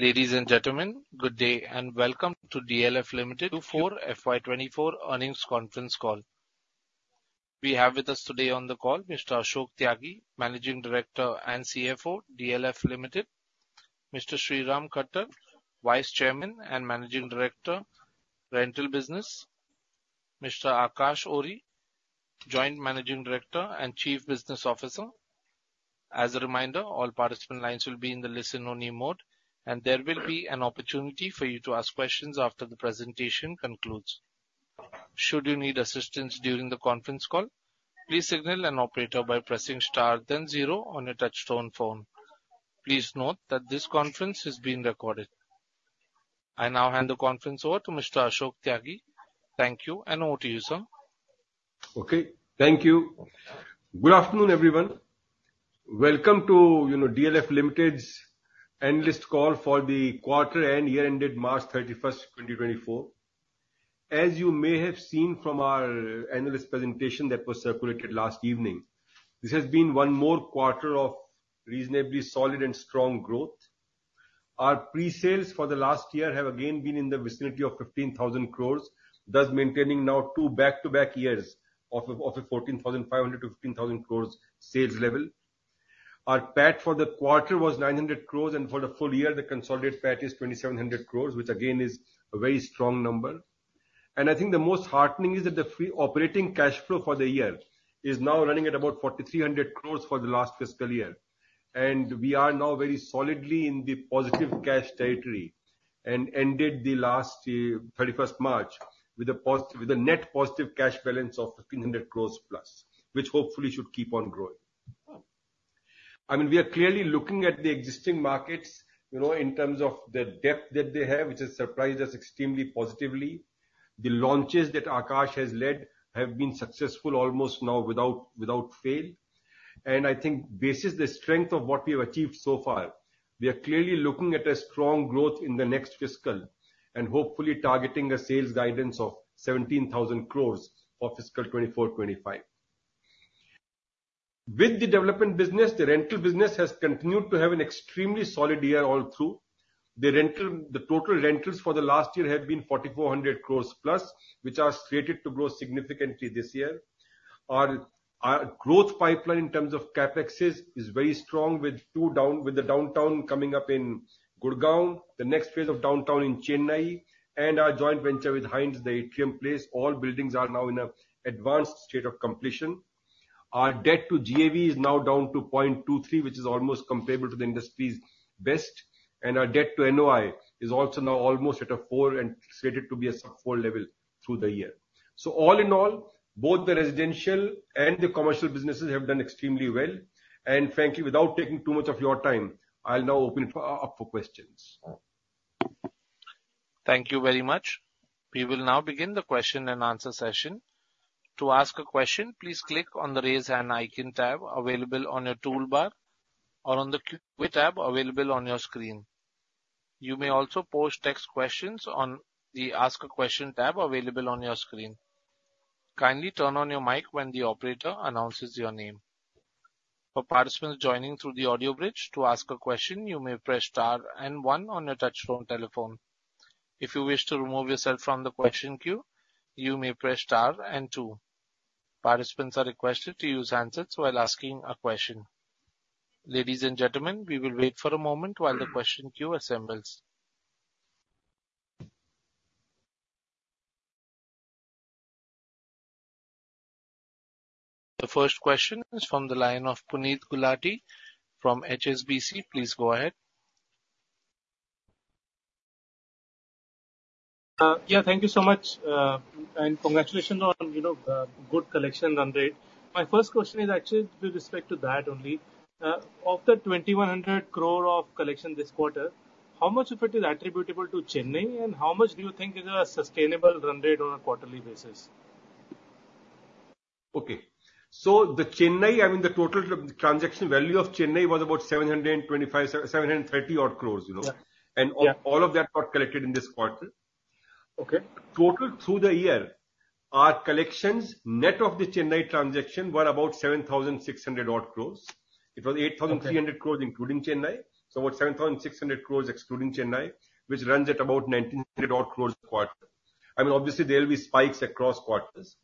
Ladies and gentlemen, good day, and welcome to DLF Limited Q4 FY24 earnings conference call. We have with us today on the call Mr. Ashok Tyagi, Managing Director and CFO, DLF Limited. Mr. Shriram Khattar, Vice Chairman and Managing Director, Rental Business. Mr. Aakash Ohri, Joint Managing Director and Chief Business Officer. As a reminder, all participant lines will be in the listen-only mode, and there will be an opportunity for you to ask questions after the presentation concludes. Should you need assistance during the conference call, please signal an operator by pressing star then zero on your touchtone phone. Please note that this conference is being recorded. I now hand the conference over to Mr. Ashok Tyagi. Thank you, and over to you, sir. Okay, thank you. Good afternoon, everyone. Welcome to, you know, DLF Limited's analyst call for the quarter and year ended March 31, 2024. As you may have seen from our analyst presentation that was circulated last evening, this has been one more quarter of reasonably solid and strong growth. Our pre-sales for the last year have again been in the vicinity of 15,000 crore, thus maintaining now two back-to-back years of, of a 14,500 crore-15,000 crore sales level. Our PAT for the quarter was 900 crore, and for the full year, the consolidated PAT is 2,700 crore, which again, is a very strong number. I think the most heartening is that the free operating cash flow for the year is now running at about 4,300 crore for the last fiscal year. We are now very solidly in the positive cash territory and ended the last year, March 31, with a net positive cash balance of 1,500 crore plus, which hopefully should keep on growing. I mean, we are clearly looking at the existing markets, you know, in terms of the depth that they have, which has surprised us extremely positively. The launches that Aakash has led have been successful almost now without fail. And I think this is the strength of what we have achieved so far. We are clearly looking at a strong growth in the next fiscal and hopefully targeting a sales guidance of 17,000 crore for fiscal 2024-25. With the development business, the rental business has continued to have an extremely solid year all through. The rental, the total rentals for the last year have been 4,400 crore plus, which are slated to grow significantly this year. Our, our growth pipeline, in terms of CapEx, is very strong, with two down- with the Downtown coming up in Gurgaon, the next phase of Downtown in Chennai, and our joint venture with Hines, The Atrium Place. All buildings are now in an advanced state of completion. Our debt to GAV is now down to 0.23, which is almost comparable to the industry's best, and our debt to NOI is also now almost at a 4 and stated to be a sub-4 level through the year. So all in all, both the residential and the commercial businesses have done extremely well, and frankly, without taking too much of your time, I'll now open it up for questions. Thank you very much. We will now begin the question-and-answer session. To ask a question, please click on the Raise Hand icon tab available on your toolbar or on the Q&A tab available on your screen. You may also post text questions on the Ask a Question tab available on your screen. Kindly turn on your mic when the operator announces your name. For participants joining through the audio bridge, to ask a question, you may press star and one on your touchtone telephone. If you wish to remove yourself from the question queue, you may press star and two. Participants are requested to use handsets while asking a question. Ladies and gentlemen, we will wait for a moment while the question queue assembles. The first question is from the line of Puneet Gulati from HSBC. Please go ahead. Yeah, thank you so much, and congratulations on, you know, good collection run rate. My first question is actually with respect to that only. Of the 2,100 crore of collection this quarter, how much of it is attributable to Chennai, and how much do you think is a sustainable run rate on a quarterly basis? Okay. So the Chennai, I mean, the total transaction value of Chennai was about 725, 730 odd crores, you know? Yeah. And all- Yeah... all of that got collected in this quarter. Okay. Total through the year, our collections, net of the Chennai transaction, were about 7,600-odd crore. Okay. It was 8,300 crore, including Chennai, so about 7,600 crore excluding Chennai, which runs at about 1,900 odd crore per quarter. I mean, obviously there will be spikes across quarters.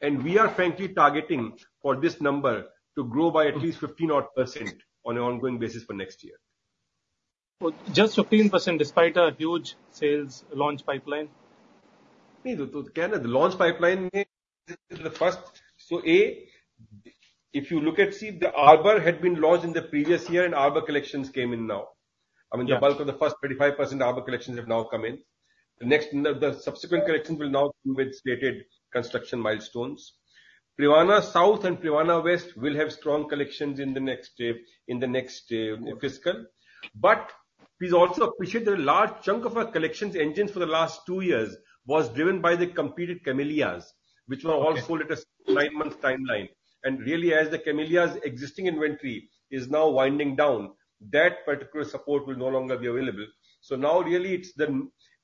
We are frankly targeting for this number to grow by at least 15 odd% on an ongoing basis for next year. Well, just 15%, despite a huge sales launch pipeline? I mean, so, so again, the launch pipeline is the first. So A, if you look at, see, The Arbour had been launched in the previous year, and Arbour collections came in now. Yeah. I mean, the bulk of the first 35% Arbour collections have now come in. The next, the, the subsequent collections will now come with stated construction milestones. Privana South and Privana West will have strong collections in the next fiscal. But please also appreciate that a large chunk of our collections engines for the last two years was driven by the completed Camellias- Okay. - which were all sold at a nine-month timeline. Really, as the Camellias existing inventory is now winding down, that particular support will no longer be available. Now really, it's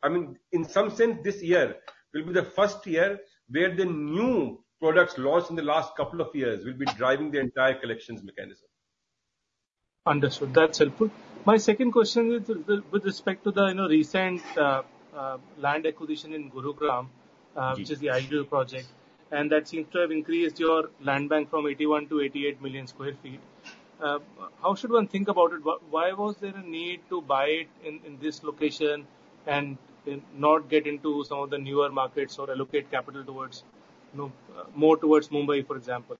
I mean, in some sense, this year will be the first year where the new products launched in the last couple of years will be driving the entire collections mechanism. Understood. That's helpful. My second question is with respect to the, you know, recent land acquisition in Gurugram, which is the IREO project, and that seems to have increased your land bank from 81-88 million sq ft. How should one think about it? Why was there a need to buy it in this location and not get into some of the newer markets or allocate capital towards, you know, more towards Mumbai, for example?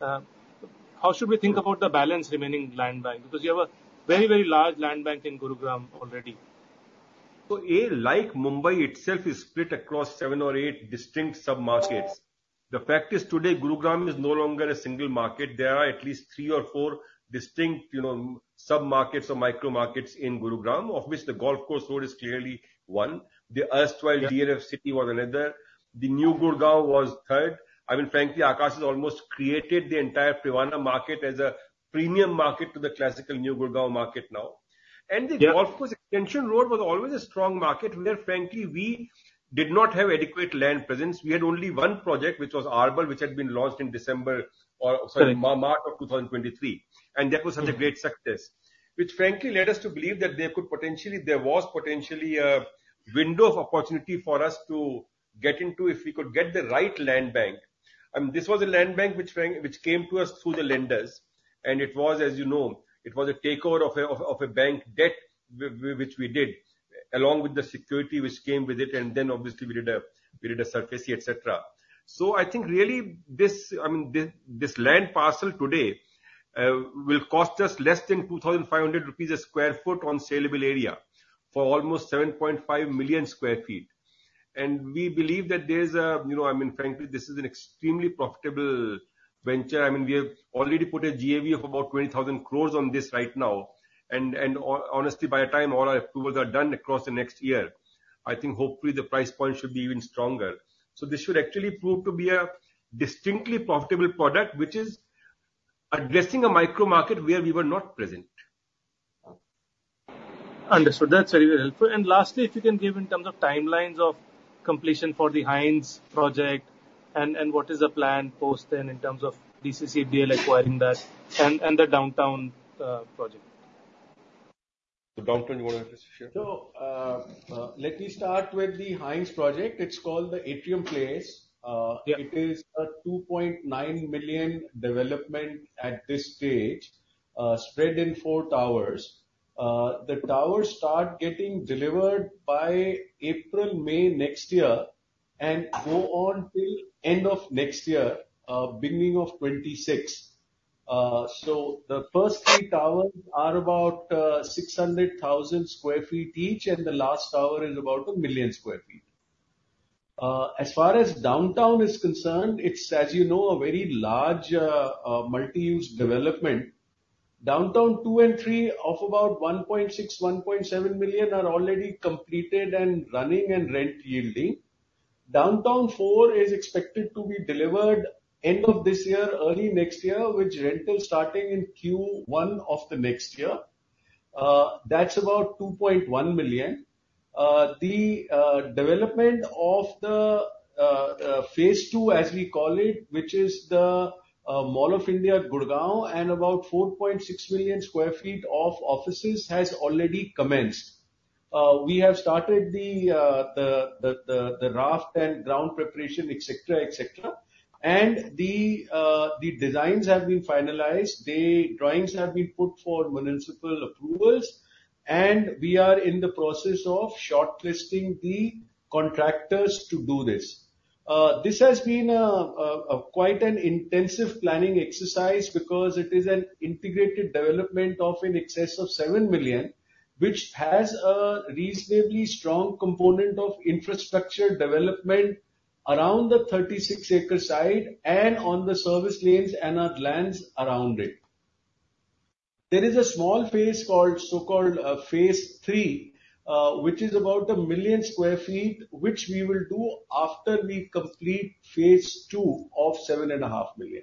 How should we think about the balance remaining land bank? Because you have a very, very large land bank in Gurugram already. So, A, like Mumbai itself is split across seven or eight distinct sub-markets. The fact is, today, Gurugram is no longer a single market. There are at least three or four distinct, you know, sub-markets or micro markets in Gurugram, of which the Golf Course Road is clearly one. The erstwhile DLF City was another. The New Gurgaon was third. I mean, frankly, Aakash has almost created the entire Privana market as a premium market to the classical New Gurgaon market now. Yeah. The Golf Course Extension Road was always a strong market, where frankly, we did not have adequate land presence. We had only one project, which was The Arbour, which had been launched in December or- Correct. Sorry, March of 2023, and that was a great success. Which frankly led us to believe that there could potentially, there was potentially a window of opportunity for us to get into if we could get the right land bank. And this was a land bank which came to us through the lenders, and it was, as you know, it was a takeover of a bank debt, which we did, along with the security which came with it, and then obviously we did a SARFAESI, etc. So I think really, this, I mean, this land parcel today will cost us less than 2,500 rupees a sq ft on saleable area for almost 7.5 million sq ft. We believe that there's a, you know, I mean, frankly, this is an extremely profitable venture. I mean, we have already put a GAV of about 20,000 crore on this right now, and honestly, by the time all our approvals are done across the next year, I think hopefully the price point should be even stronger. So this should actually prove to be a distinctly profitable product, which is addressing a micro market where we were not present. Understood. That's very helpful. And lastly, if you can give in terms of timelines of completion for the Hines project, and, and what is the plan post then in terms of DCCDL acquiring that and, and the Downtown project? Downtown, you want to share? Let me start with the Hines project. It's called The Atrium Place. Yeah. It is a 2.9 million development at this stage, spread in four towers. The towers start getting delivered by April, May next year, and go on till end of next year, beginning of 2026. So the first three towers are about 600,000 sq ft each, and the last tower is about 1 million sq ft. As far as Downtown is concerned, it's, as you know, a very large, multi-use development. Downtown two and three, of about 1.6-1.7 million, are already completed and running and rent yielding. Downtown four is expected to be delivered end of this year, early next year, with rentals starting in Q1 of the next year. That's about 2.1 million. The development of the phase two, as we call it, which is the Mall of India, Gurgaon, and about 4.6 million sq ft of offices, has already commenced. We have started the raft and ground preparation, et cetera, et cetera. The designs have been finalized. The drawings have been put for municipal approvals, and we are in the process of shortlisting the contractors to do this. This has been quite an intensive planning exercise because it is an integrated development of in excess of 7 million, which has a reasonably strong component of infrastructure development around the 36-acre site and on the service lanes and our lands around it. There is a small phase called, so-called, phase three, which is about 1 million sq ft, which we will do after we complete phase two of 7.5 million.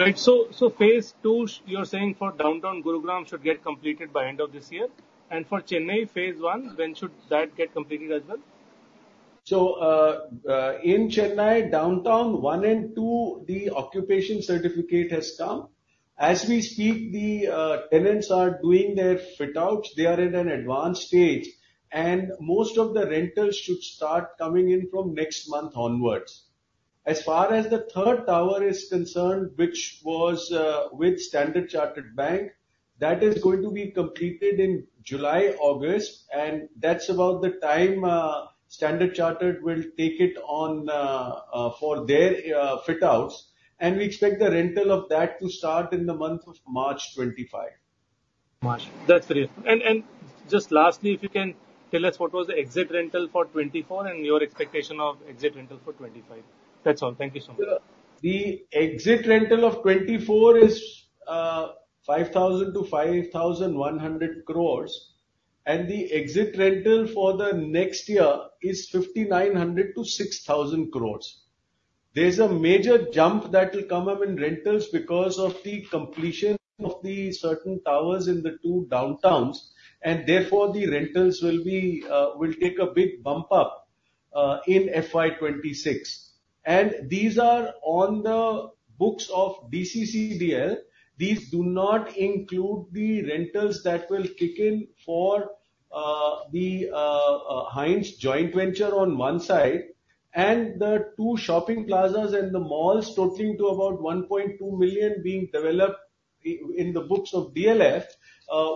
Right. So phase two, you're saying for Downtown Gurugram, should get completed by end of this year? And for Chennai, phase one, when should that get completed as well? In Chennai, Downtown one and two, the occupation certificate has come. As we speak, the tenants are doing their fit outs. They are in an advanced stage, and most of the rentals should start coming in from next month onwards. As far as the third tower is concerned, which was with Standard Chartered Bank, that is going to be completed in July, August, and that's about the time Standard Chartered will take it on for their fit outs, and we expect the rental of that to start in the month of March 2025. March. That's great. And, and just lastly, if you can tell us, what was the exit rental for 2024 and your expectation of exit rental for 2025? That's all. Thank you so much. The exit rental of 2024 is 5,000-5,100 crore, and the exit rental for the next year is 5,900-6,000 crore. ...There's a major jump that will come up in rentals because of the completion of the certain towers in the two downtowns, and therefore, the rentals will be, will take a big bump up, in FY 2026. These are on the books of DCCDL. These do not include the rentals that will kick in for, the Hines joint venture on one side, and the two shopping plazas and the malls totaling to about 1.2 million being developed in the books of DLF,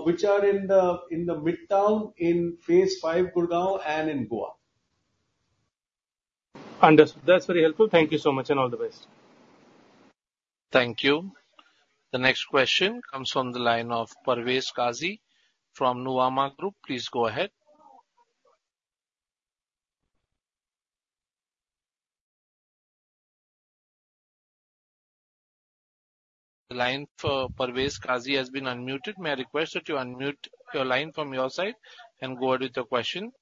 which are in the Midtown, in phase five, Gurgaon, and in Goa. Understood. That's very helpful. Thank you so much, and all the best. Thank you. The next question comes from the line of Parvez Kazi from Nuvama Group. Please go ahead. The line for Parvez Kazi has been unmuted. May I request that you unmute your line from your side and go ahead with your question?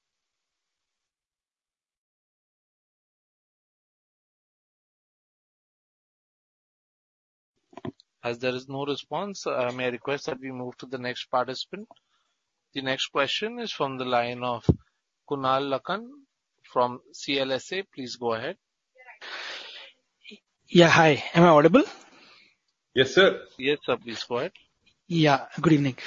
As there is no response, may I request that we move to the next participant. The next question is from the line of Kunal Lakhan from CLSA. Please go ahead. Yeah, hi. Am I audible? Yes, sir. Yes, please go ahead. Yeah, good evening.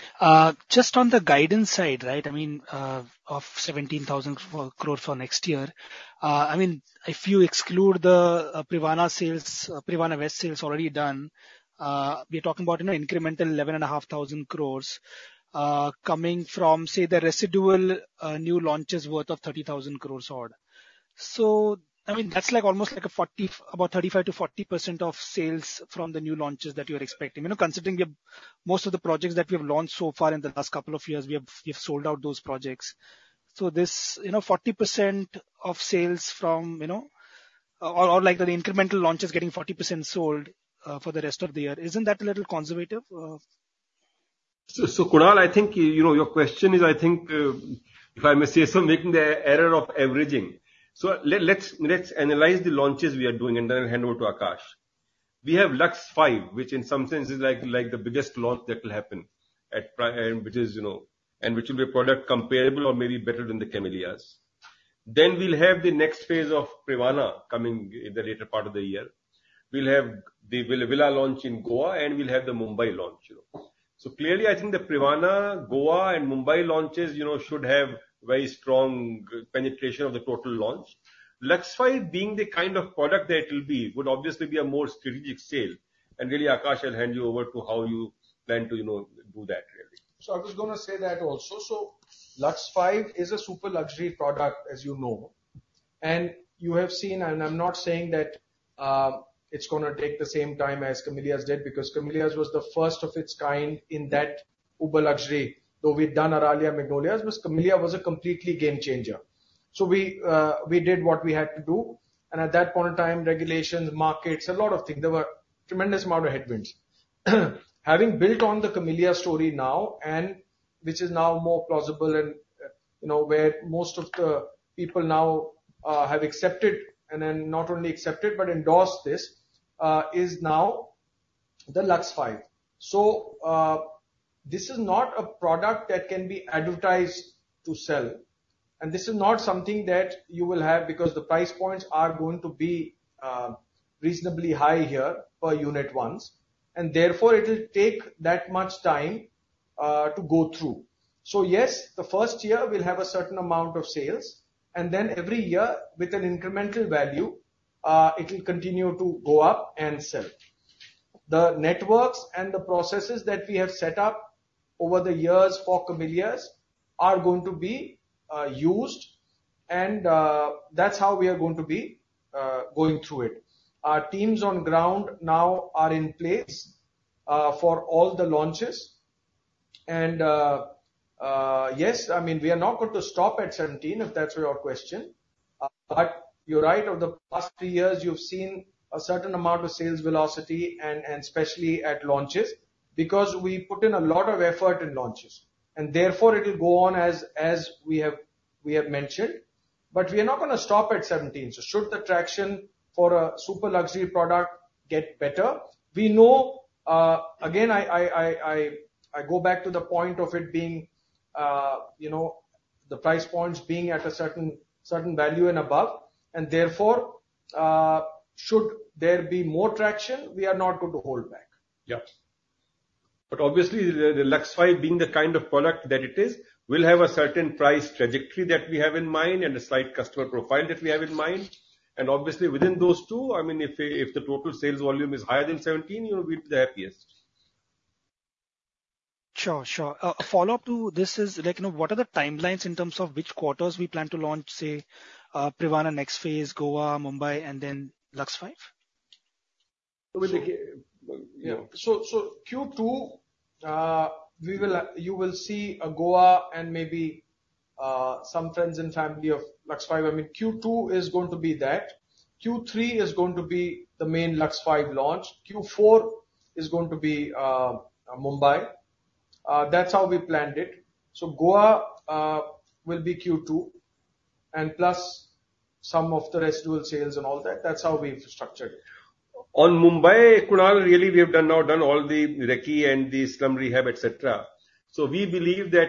Just on the guidance side, right, I mean, of 17,000 crore for next year. I mean, if you exclude the, Privana sales, Privana West sales already done, we're talking about, you know, incremental 11,500 crore, coming from, say, the residual, new launches worth of 30,000 crore odd. So I mean, that's like almost like a 40, about 35%-40% of sales from the new launches that you're expecting. You know, considering we have most of the projects that we have launched so far in the last couple of years, we have, we have sold out those projects. So this, you know, 40% of sales from, you know, or, or like the incremental launches getting 40% sold, for the rest of the year. Isn't that a little conservative? So, Kunal, I think, you know, your question is, I think, if I may say so, making the error of averaging. So let's analyze the launches we are doing, and then I'll hand over to Aakash. We have Lux 5, which in some sense is like the biggest launch that will happen at Privana and which is, you know, and which will be a product comparable or maybe better than the Camellias. Then we'll have the next phase of Privana coming in the later part of the year. We'll have the villa launch in Goa, and we'll have the Mumbai launch. So clearly, I think the Privana, Goa, and Mumbai launches, you know, should have very strong penetration of the total launch. Lux 5 being the kind of product that it will be, would obviously be a more strategic sale. Really, Aakash, I'll hand you over to how you plan to, you know, do that really. So I was going to say that also. So Lux 5 is a super luxury product, as you know. And you have seen, and I'm not saying that, it's going to take the same time as Camellias did, because Camellias was the first of its kind in that uber luxury, though we'd done Aralia, Magnolias, but Camellia was a completely game changer. So we, we did what we had to do, and at that point in time, regulations, markets, a lot of things, there were tremendous amount of headwinds. Having built on the Camellia story now, and which is now more plausible and, you know, where most of the people now, have accepted, and then not only accepted, but endorsed this, is now the Lux 5. So, this is not a product that can be advertised to sell, and this is not something that you will have, because the price points are going to be, reasonably high here per unit ones, and therefore, it will take that much time, to go through. So yes, the first year we'll have a certain amount of sales, and then every year with an incremental value, it will continue to go up and sell. The networks and the processes that we have set up over the years for Camellias are going to be, used, and, that's how we are going to be, going through it. Our teams on ground now are in place, for all the launches, and, yes, I mean, we are not going to stop at 17, if that's your question. But you're right, over the past few years, you've seen a certain amount of sales velocity and especially at launches, because we put in a lot of effort in launches, and therefore, it will go on as we have mentioned. But we are not going to stop at 17. So should the traction for a super luxury product get better, we know. Again, I go back to the point of it being, you know, the price points being at a certain value and above, and therefore, should there be more traction, we are not going to hold back. Yeah. But obviously, the Lux 5 being the kind of product that it is, will have a certain price trajectory that we have in mind and a slight customer profile that we have in mind. And obviously, within those two, I mean, if the total sales volume is higher than 17, you know, we'll be the happiest. Sure, sure. A follow-up to this is, like, you know, what are the timelines in terms of which quarters we plan to launch, say, Privana next phase, Goa, Mumbai, and then Lux 5? Yeah. So, Q2, we will have—you will see, Goa and maybe some friends and family of Lux 5. I mean, Q2 is going to be that. Q3 is going to be the main Lux 5 launch. Q4 is going to be Mumbai. That's how we planned it. So Goa will be Q2, and plus some of the residual sales and all that, that's how we've structured it. On Mumbai, Kunal, really, we have done, now done all the recce and the slum rehab, et cetera. So we believe that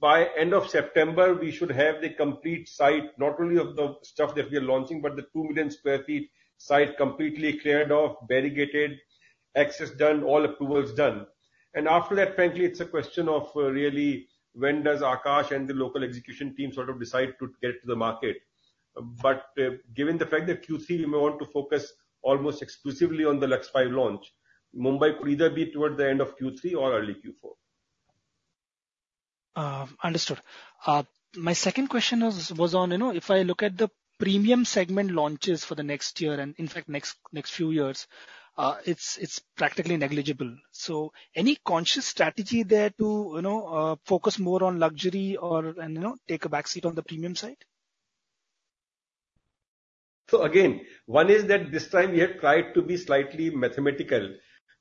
by end of September, we should have the complete site, not only of the stuff that we are launching, but the 2 million sq ft site completely cleared off, barricaded, access done, all approvals done. And after that, frankly, it's a question of, really, when does Aakash and the local execution team sort of decide to get to the market. But, given the fact that Q3, we may want to focus almost exclusively on the Lux 5 launch, Mumbai could either be towards the end of Q3 or early Q4. Understood. My second question was on, you know, if I look at the premium segment launches for the next year, and in fact, next few years, it's practically negligible. So any conscious strategy there to, you know, focus more on luxury or, and, you know, take a backseat on the premium side? So again, one is that this time we have tried to be slightly mathematical,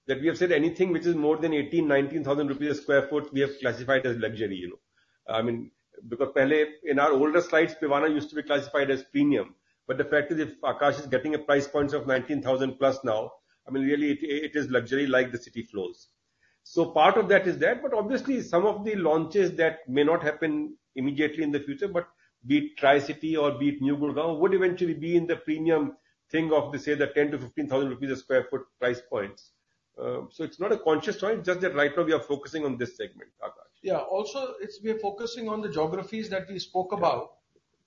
that we have said anything which is more than 18,000-19,000 rupees a sq ft, we have classified as luxury, you know. I mean, because in our older slides, Privana used to be classified as premium, but the fact is, if Aakash is getting a price points of 19,000+ now, I mean, really, it, it is luxury like the city flows. So part of that is there, but obviously, some of the launches that may not happen immediately in the future, but be it Tricity or be it New Gurgaon, would eventually be in the premium thing of, let's say the 10,000-15,000 rupees a sq ft price points. So it's not a conscious choice, just that right now we are focusing on this segment, Aakash. Yeah. Also, it's... We are focusing on the geographies that we spoke about,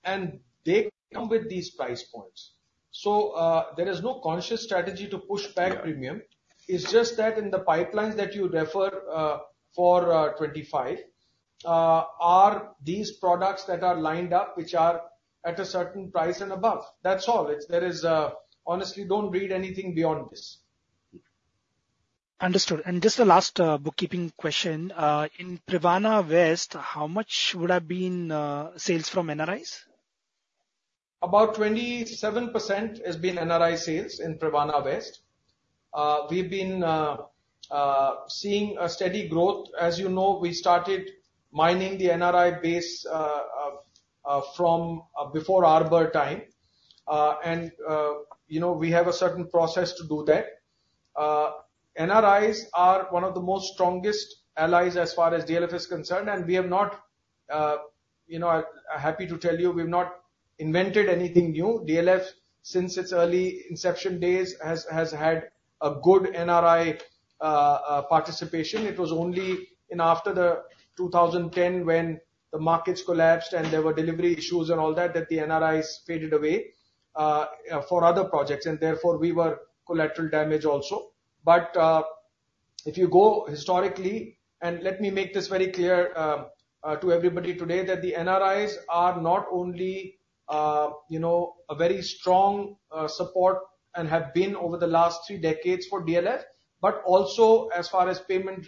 and they come with these price points. So, there is no conscious strategy to push back premium. It's just that in the pipelines that you refer, for 25, are these products that are lined up, which are at a certain price and above. That's all. It's. There is, honestly, don't read anything beyond this. Understood. Just the last bookkeeping question. In Privana West, how much would have been sales from NRIs? About 27% has been NRI sales in Privana West. We've been seeing a steady growth. As you know, we started mining the NRI base from before Arbour time. And you know, we have a certain process to do that. NRIs are one of the most strongest allies as far as DLF is concerned, and we have not, you know, I'm happy to tell you, we've not invented anything new. DLF, since its early inception days, has had a good NRI participation. It was only after the 2010, when the markets collapsed and there were delivery issues and all that, that the NRIs faded away for other projects, and therefore, we were collateral damage also. But, if you go historically, and let me make this very clear, to everybody today, that the NRIs are not only, you know, a very strong support and have been over the last three decades for DLF, but also as far as payment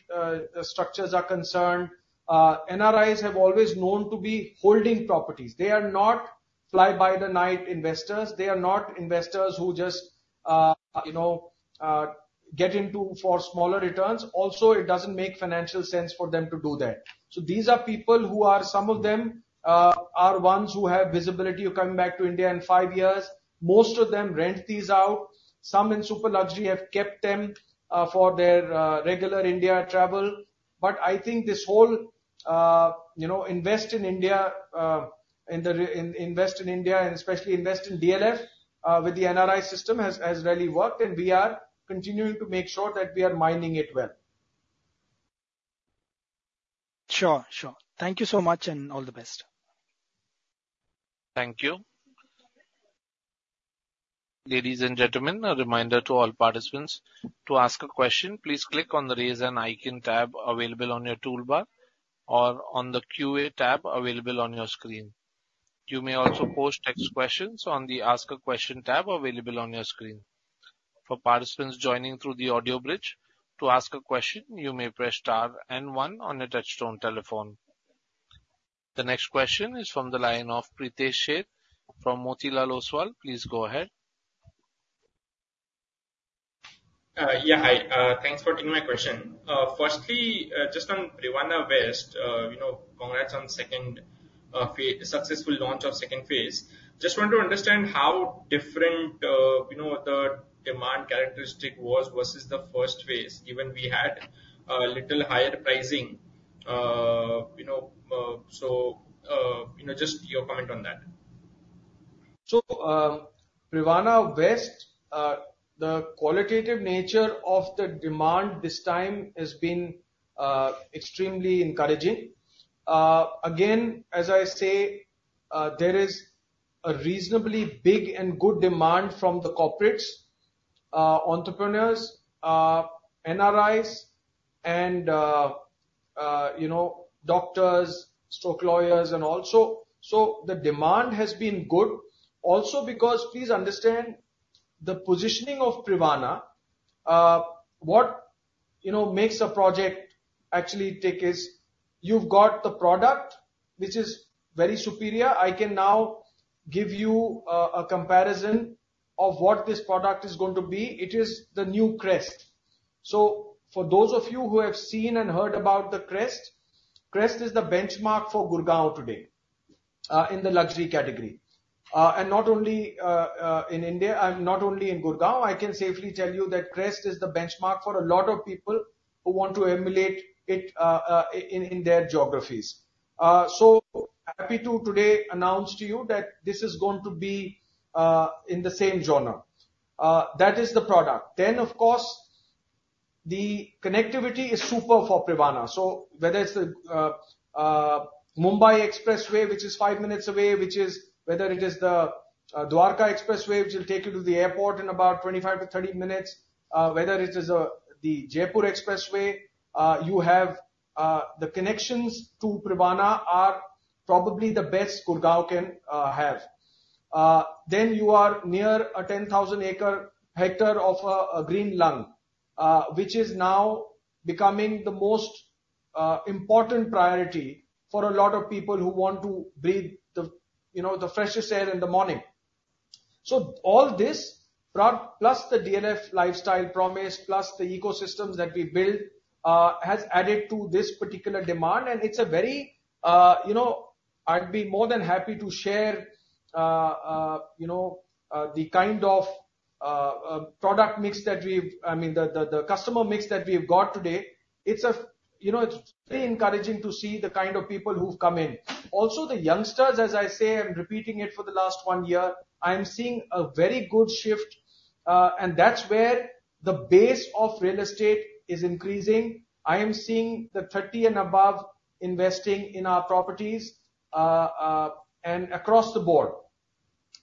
structures are concerned, NRIs have always known to be holding properties. They are not fly-by-the-night investors. They are not investors who just, you know, get into for smaller returns. Also, it doesn't make financial sense for them to do that. So these are people who are, some of them, are ones who have visibility to come back to India in five years. Most of them rent these out. Some in super luxury, have kept them, for their, regular India travel. But I think this whole, you know, invest in India and especially invest in DLF, with the NRI system, has really worked, and we are continuing to make sure that we are mining it well. Sure. Sure. Thank you so much, and all the best. Thank you. Ladies and gentlemen, a reminder to all participants, to ask a question, please click on the Raise an Icon tab available on your toolbar or on the QA tab available on your screen. You may also post text questions on the Ask a Question tab available on your screen. For participants joining through the audio bridge, to ask a question, you may press star and one on your touchtone telephone. The next question is from the line of Pritesh Sheth from Motilal Oswal. Please go ahead. Yeah, hi. Thanks for taking my question. Firstly, just on Privana West, you know, congrats on second phase, successful launch of second phase. Just want to understand how different, you know, the demand characteristic was versus the first phase, even we had a little higher pricing, you know, so, you know, just your comment on that. So, Privana West, the qualitative nature of the demand this time has been, extremely encouraging. Again, as I say, there is a reasonably big and good demand from the corporates, entrepreneurs, NRIs and, you know, doctors, stock lawyers and also. So the demand has been good. Also, because please understand the positioning of Privana, what, you know, makes a project actually take its-... You've got the product, which is very superior. I can now give you, a comparison of what this product is going to be. It is the new Crest. So for those of you who have seen and heard about the Crest, Crest is the benchmark for Gurgaon today, in the luxury category. And not only in India, and not only in Gurgaon, I can safely tell you that Crest is the benchmark for a lot of people who want to emulate it, in their geographies. So happy to today announce to you that this is going to be in the same genre. That is the product. Then, of course, the connectivity is super for Privana. So whether it's the Mumbai Expressway, which is five minutes away, whether it is the Dwarka Expressway, which will take you to the airport in about 25-30 minutes, whether it is the Jaipur Expressway, you have the connections to Privana are probably the best Gurgaon can have. Then you are near a 10,000-acre hectare of a green lung, which is now becoming the most important priority for a lot of people who want to breathe the, you know, the freshest air in the morning. So all this, plus the DLF lifestyle promise, plus the ecosystems that we built, has added to this particular demand, and it's a very... You know, I'd be more than happy to share, you know, the kind of product mix that we've-- I mean, the, the, the customer mix that we've got today. It's, you know, it's very encouraging to see the kind of people who've come in. Also, the youngsters, as I say, I'm repeating it for the last one year, I'm seeing a very good shift, and that's where the base of real estate is increasing. I am seeing the 30 and above investing in our properties, and across the board.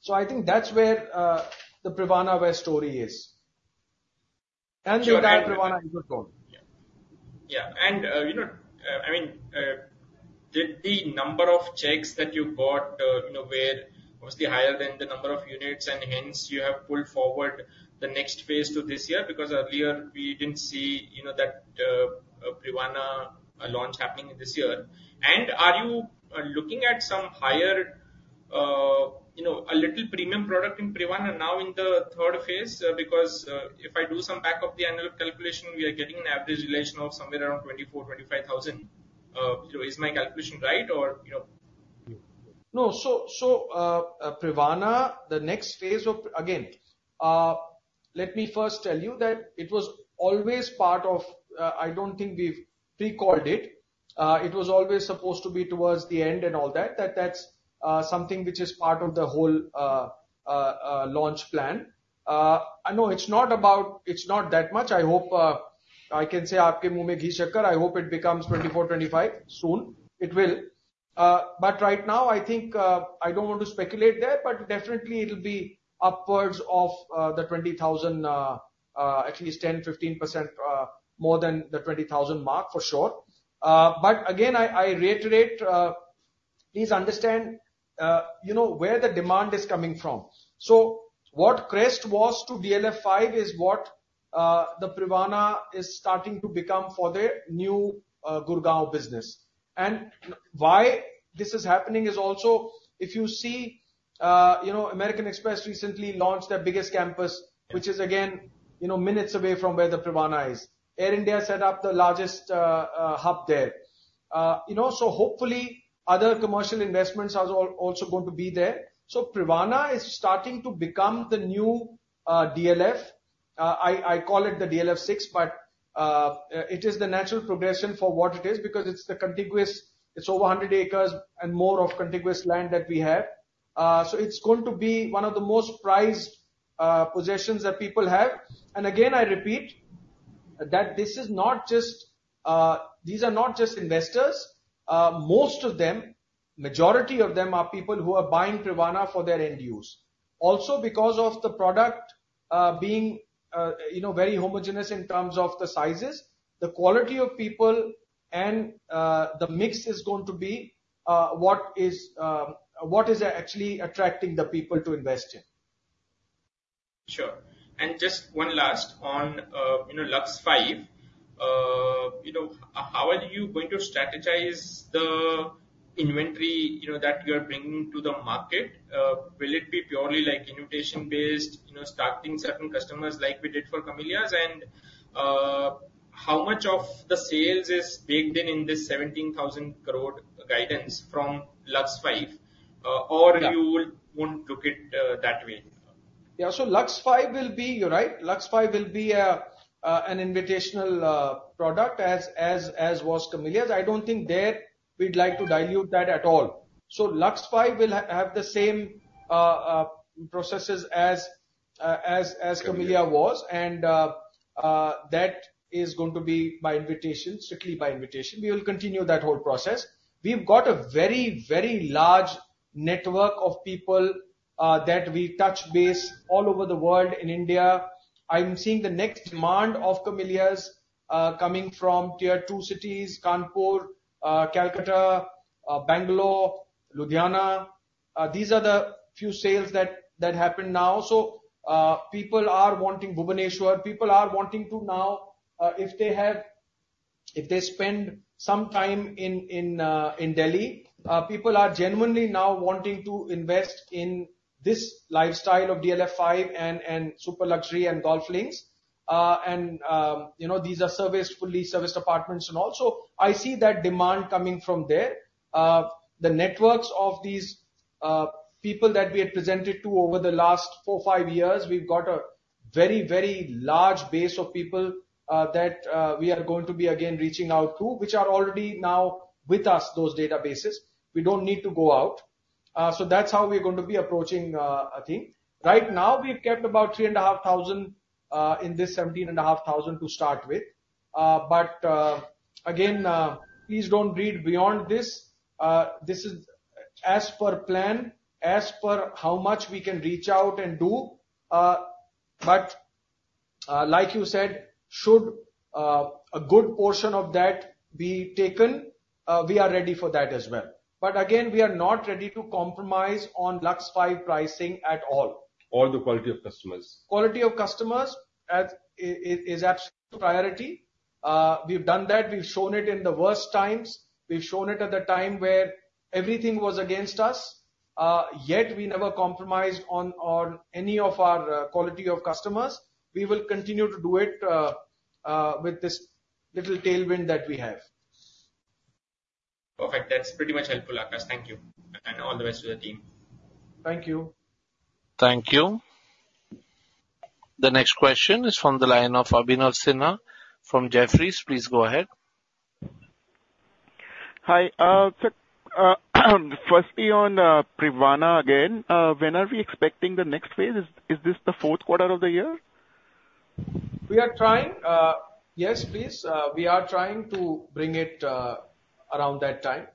So I think that's where the Privana West story is. And with that, Privana is good going. Yeah. Yeah, and, you know, I mean, did the number of checks that you got, you know, were obviously higher than the number of units, and hence you have pulled forward the next phase to this year? Because earlier, we didn't see, you know, that, Privana launch happening this year. And are you looking at some higher, you know, a little premium product in Privana now in the third phase? Because, if I do some back-of-the-envelope calculation, we are getting an average realization of somewhere around 24,000-25,000. So is my calculation right, or, you know? No. So, Privana, the next phase of. Again, let me first tell you that it was always part of. I don't think we've pre-recorded it. It was always supposed to be towards the end and all that, that's something which is part of the whole launch plan. I know it's not about, it's not that much. I hope I can say, I hope it becomes 24, 25 soon. It will. But right now, I think, I don't want to speculate that, but definitely it'll be upwards of the 20,000, at least 10%-15% more than the 20,000 mark, for sure. But again, I reiterate, please understand, you know, where the demand is coming from. So what Crest was to DLF 5 is what the Privana is starting to become for the new Gurgaon business. And why this is happening is also, if you see, you know, American Express recently launched their biggest campus, which is, again, you know, minutes away from where the Privana is. Air India set up the largest hub there. You know, so hopefully other commercial investments are also going to be there. So Privana is starting to become the new DLF. I call it the DLF 6, but it is the natural progression for what it is, because it's the contiguous, it's over 100 acres and more of contiguous land that we have. So it's going to be one of the most prized possessions that people have. Again, I repeat, that this is not just—these are not just investors. Most of them, majority of them are people who are buying Privana for their end use. Also, because of the product being, you know, very homogenous in terms of the sizes, the quality of people and the mix is going to be what is actually attracting the people to invest in. Sure. And just one last on, you know, Lux 5. You know, how are you going to strategize the inventory, you know, that you're bringing to the market? Will it be purely, like, invitation-based, you know, targeting certain customers like we did for Camellias? And, how much of the sales is baked in in this 17,000 crore guidance from Lux 5, or- Yeah. -you would won't look it, that way? Yeah. So Lux 5 will be... You're right, Lux 5 will be a, an invitational, product, as was Camellias. I don't think there we'd like to dilute that at all. So Lux 5 will have the same, processes as, as Camellias was, and that is going to be by invitation, strictly by invitation. We will continue that whole process. We've got a very, very large network of people, that we touch base all over the world in India. I'm seeing the next demand of Camellias, coming from tier two cities, Kanpur, Calcutta, Bangalore, Ludhiana.... these are the few sales that, that happened now. So, people are wanting Bhubaneswar, people are wanting to now, if they have, if they spend some time in, in, in Delhi, people are genuinely now wanting to invest in this lifestyle of DLF 5 and, and super luxury and golf links. And, you know, these are serviced, fully serviced apartments and all. So I see that demand coming from there. The networks of these, people that we had presented to over the last 4, 5 years, we've got a very, very large base of people, that, we are going to be again reaching out to, which are already now with us, those databases. We don't need to go out. So that's how we are going to be approaching, I think. Right now, we've kept about 3,500 in this 17,500 to start with. But again, please don't read beyond this. This is as per plan, as per how much we can reach out and do. But like you said, should a good portion of that be taken, we are ready for that as well. But again, we are not ready to compromise on Lux 5 pricing at all. Or the quality of customers. Quality of customers is absolute priority. We've done that. We've shown it in the worst times. We've shown it at the time where everything was against us, yet we never compromised on any of our quality of customers. We will continue to do it with this little tailwind that we have. Perfect. That's pretty much helpful, Aakash. Thank you, and all the best to the team. Thank you. Thank you. The next question is from the line of Abhinav Sinha from Jefferies. Please go ahead. Hi, sir, firstly on Privana again, when are we expecting the next phase? Is this the fourth quarter of the year? We are trying. Yes, please, we are trying to bring it around that time.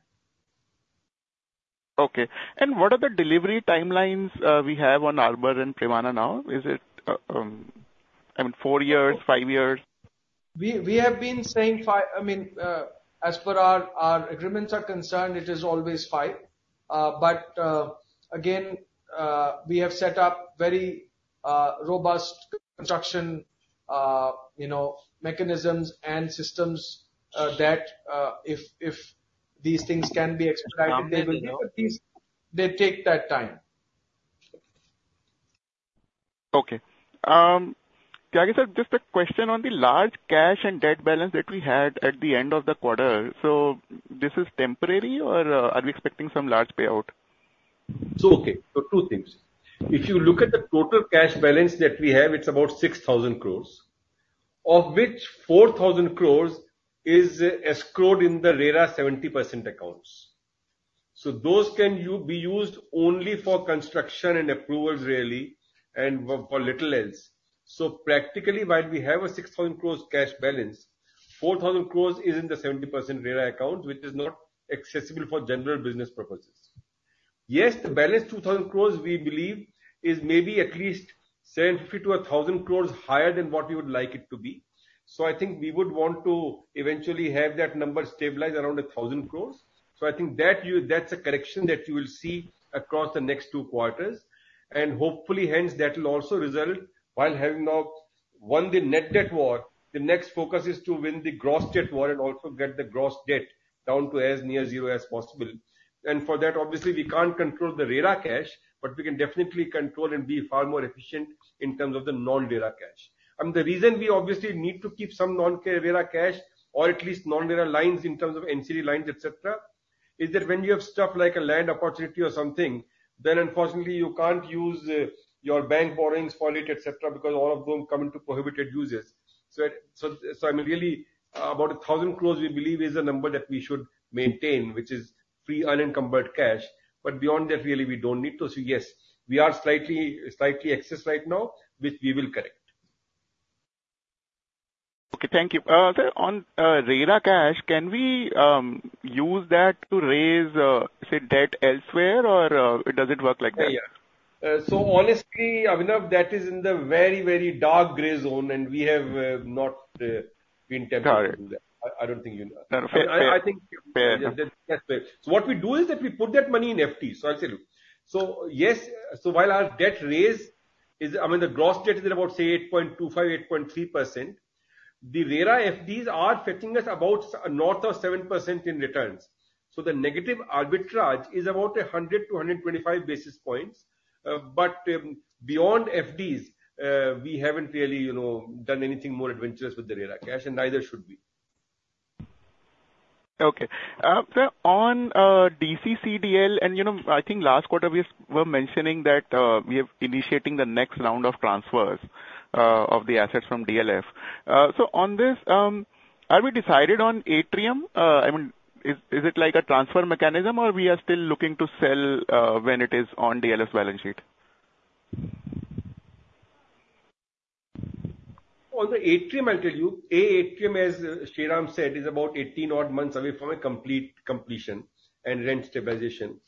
Okay. And what are the delivery timelines we have on Arbour and Privana now? Is it, I mean, four years, five years? We have been saying five—I mean, as per our agreements are concerned, it is always five. But again, we have set up very robust construction, you know, mechanisms and systems, that if these things can be expedited, they will be. But these, they take that time. Okay. Tyagi sir, just a question on the large cash and debt balance that we had at the end of the quarter. So this is temporary or are we expecting some large payout? So, okay, so two things. If you look at the total cash balance that we have, it's about 6,000 crore, of which 4,000 crore is escrowed in the RERA 70% accounts. So those can be used only for construction and approvals really, and for little else. So practically, while we have a 6,000 crore cash balance, 4,000 crore is in the 70% RERA account, which is not accessible for general business purposes. Yes, the balance 2,000 crore, we believe, is maybe at least 70 crore-1,000 crore higher than what we would like it to be. So I think we would want to eventually have that number stabilized around 1,000 crore. So I think that's a correction that you will see across the next two quarters. And hopefully, hence, that will also result while having now won the net debt war, the next focus is to win the gross debt war and also get the gross debt down to as near zero as possible. And for that, obviously, we can't control the RERA cash, but we can definitely control and be far more efficient in terms of the non-RERA cash. And the reason we obviously need to keep some non-RERA cash or at least non-RERA lines in terms of NCD lines, et cetera, is that when you have stuff like a land opportunity or something, then unfortunately, you can't use your bank borrowings for it, et cetera, because all of them come into prohibited uses. I mean, really, about 1,000 crore, we believe, is a number that we should maintain, which is free unencumbered cash, but beyond that, really, we don't need to. So yes, we are slightly excess right now, which we will correct. Okay, thank you. Sir, on RERA cash, can we use that to raise, say, debt elsewhere or it doesn't work like that? Yeah. So honestly, Abhinav, that is in the very, very dark gray zone, and we have not been tempted to do that. Got it. I don't think, you know- Fair, fair. I think. Fair. That's it. So what we do is that we put that money in FDs, so I'll tell you. So, yes, so while our debt raise is, I mean, the gross debt is about, say, 8.25-8.3%, the RERA FDs are fetching us about north of 7% in returns. So the negative arbitrage is about 100-125 basis points. But beyond FDs, we haven't really, you know, done anything more adventurous with the RERA cash, and neither should we. Okay. Sir, on DCCDL, and you know, I think last quarter we were mentioning that we are initiating the next round of transfers of the assets from DLF. So on this, are we decided on Atrium? I mean, is it like a transfer mechanism or we are still looking to sell when it is on DLF's balance sheet? On the Atrium, I'll tell you. A, Atrium, as Shriram said, is about 18 odd months away from a complete completion and rent stabilization.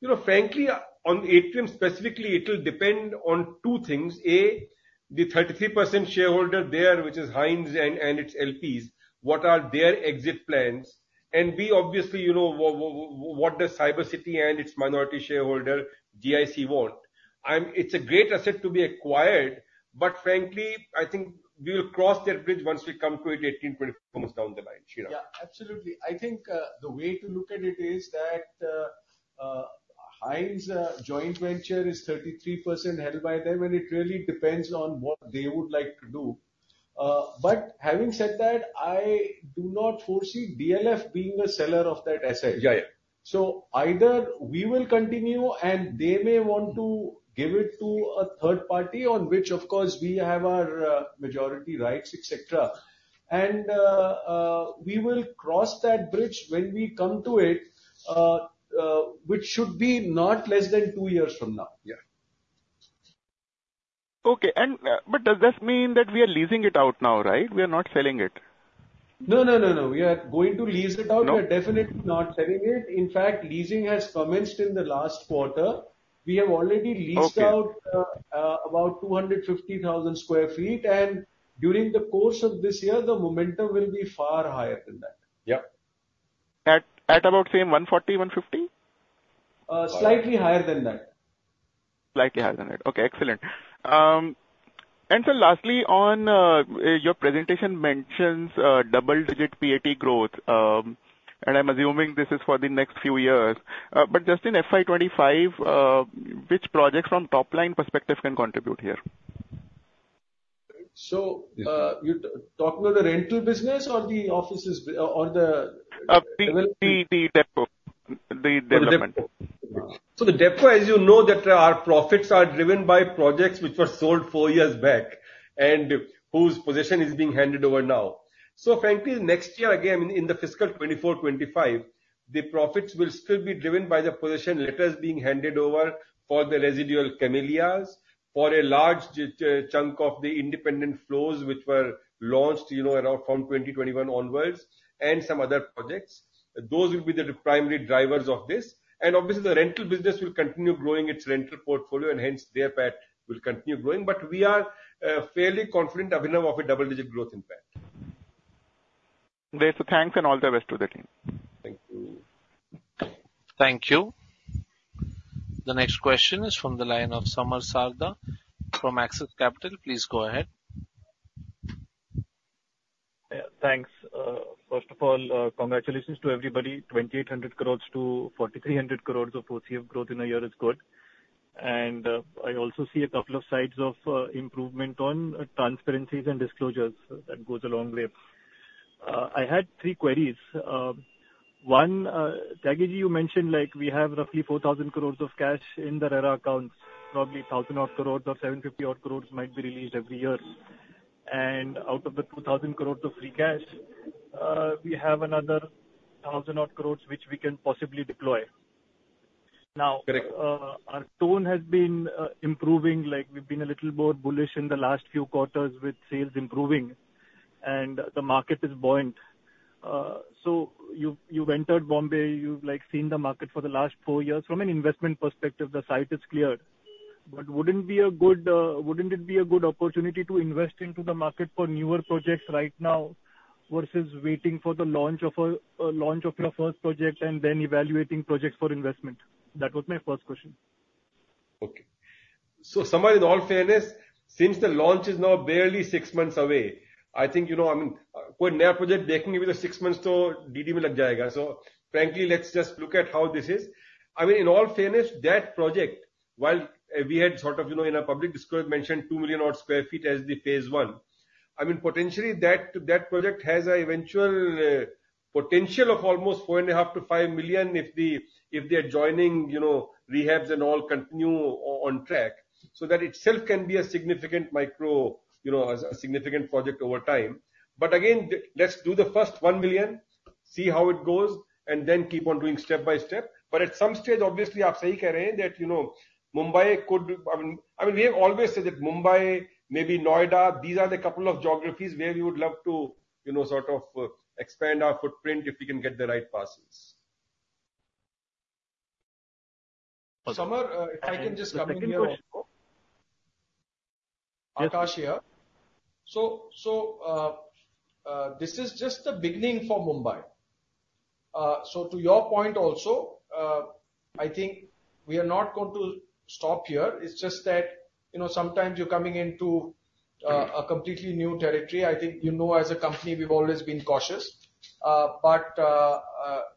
You know, frankly, on Atrium specifically, it will depend on two things: A, the 33% shareholder there, which is Hines and, and its LPs, what are their exit plans?...And we obviously, you know, what does Cyber City and its minority shareholder, GIC want? It's a great asset to be acquired, but frankly, I think we will cross that bridge once we come to it 18, 24 months down the line. Shriram? Yeah, absolutely. I think, the way to look at it is that, Hines, joint venture is 33% held by them, and it really depends on what they would like to do. But having said that, I do not foresee DLF being a seller of that asset. Yeah, yeah. So either we will continue, and they may want to give it to a third party, on which of course we have our majority rights, et cetera. We will cross that bridge when we come to it, which should be not less than two years from now. Yeah. Okay, and, but does this mean that we are leasing it out now, right? We are not selling it. No, no, no, no, we are going to lease it out- No? We are definitely not selling it. In fact, leasing has commenced in the last quarter. We have already leased out. Okay... about 250,000 sq ft, and during the course of this year, the momentum will be far higher than that. Yeah. At about say, 140-150? Slightly higher than that. Slightly higher than that. Okay, excellent. And so lastly, on your presentation mentions double-digit PAT growth, and I'm assuming this is for the next few years. But just in FY 25, which projects from top-line perspective can contribute here? So, you're talking about the rental business or the offices or, or the- the DevCo, the development. So the point, as you know, that our profits are driven by projects which were sold four years back, and whose possession is being handed over now. So frankly, next year, again, in the fiscal 2024, 2025, the profits will still be driven by the possession letters being handed over for the residual Camellias, for a large chunk of the independent floors, which were launched, you know, around from 2021 onwards, and some other projects. Those will be the primary drivers of this. And obviously, the rental business will continue growing its rental portfolio, and hence their PAT will continue growing. But we are fairly confident, Abhinav, of a double-digit growth in PAT. Great. So thanks and all the best to the team. Thank you. Thank you. The next question is from the line of Samar Sarda from Axis Capital. Please go ahead. Yeah, thanks. First of all, congratulations to everybody, 2,800 crore-4,300 crore of OCF growth in a year is good. And, I also see a couple of sides of improvement on transparencies and disclosures. That goes a long way. I had three queries. One, Tyagi, you mentioned like we have roughly 4,000 crore of cash in the RERA accounts, probably 1,000-odd crore or 750-odd crore might be released every year. And out of the 2,000 crore of free cash, we have another 1,000-odd crore, which we can possibly deploy. Now- Correct. Our tone has been improving, like we've been a little more bullish in the last few quarters with sales improving and the market is buoyant. So you, you've entered Bombay, you've like, seen the market for the last four years. From an investment perspective, the sight is clear. But wouldn't it be a good opportunity to invest into the market for newer projects right now, versus waiting for the launch of your first project and then evaluating projects for investment? That was my first question. Okay. So Samar, in all fairness, since the launch is now barely six months away, I think, you know, I mean, in a project, six months to DD. So frankly, let's just look at how this is. I mean, in all fairness, that project, while we had sort of, you know, in our public disclosure, mentioned 2 million-odd sq ft as the phase one, I mean, potentially that, that project has an eventual potential of almost 4.5-5 million, if they are joining, you know, rehabs and all continue on track. So that itself can be a significant micro, you know, a significant project over time. But again, let's do the first 1 million, see how it goes, and then keep on doing step by step. But at some stage, obviously, you are saying that, you know, Mumbai could... I mean, we have always said that Mumbai, maybe Noida, these are the couple of geographies where we would love to, you know, sort of, expand our footprint if we can get the right parcels. Samar, if I can just come in here. Aakash here. So, this is just the beginning for Mumbai. So to your point also, I think we are not going to stop here. It's just that, you know, sometimes you're coming into a completely new territory. I think, you know, as a company, we've always been cautious. But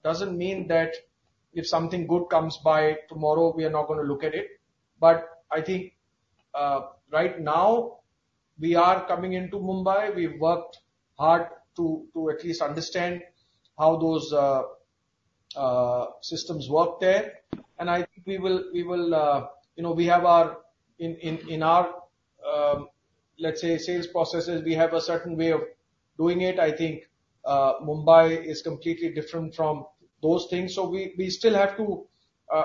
doesn't mean that if something good comes by tomorrow, we are not going to look at it. But I think, right now, we are coming into Mumbai. We've worked hard to at least understand how those systems work there. And I think we will, you know, we have our—in our, let's say, sales processes, we have a certain way of doing it. I think, Mumbai is completely different from those things, so we still have to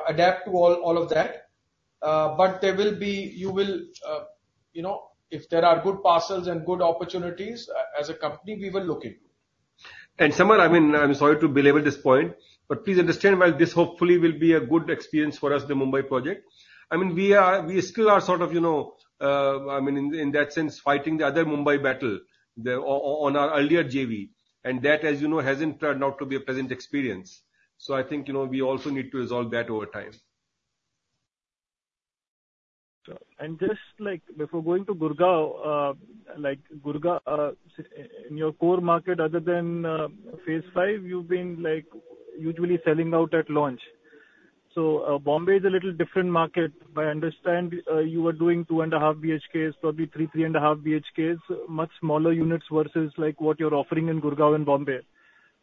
adapt to all of that. But there will be, you will, you know, if there are good parcels and good opportunities, as a company, we will look in. And Samar, I mean, I'm sorry to belabor this point, but please understand, while this hopefully will be a good experience for us, the Mumbai project, I mean, we are—we still are sort of, you know, I mean, in that sense, fighting the other Mumbai battle, the one on our earlier JV, and that, as you know, hasn't turned out to be a pleasant experience. So I think, you know, we also need to resolve that over time. ... Just like before going to Gurgaon, like Gurgaon, in your core market, other than phase five, you've been, like, usually selling out at launch. So, Bombay is a little different market. But I understand, you were doing two and a half BHKs, probably three, three and a half BHKs, much smaller units versus, like what you're offering in Gurgaon and Bombay.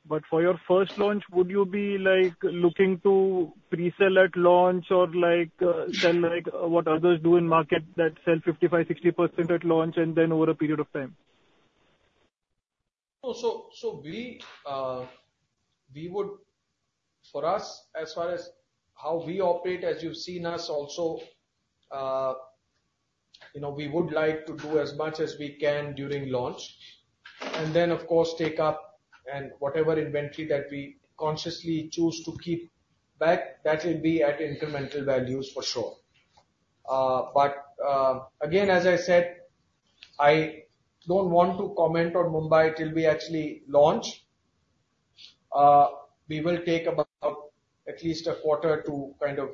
But for your first launch, would you be, like, looking to pre-sell at launch or like, sell, like what others do in market that sell 55, 60% at launch and then over a period of time? So, we would, for us, as far as how we operate, as you've seen us also, you know, we would like to do as much as we can during launch. Then, of course, take up, and whatever inventory that we consciously choose to keep back, that will be at incremental values for sure. But again, as I said, I don't want to comment on Mumbai till we actually launch. We will take about at least a quarter to kind of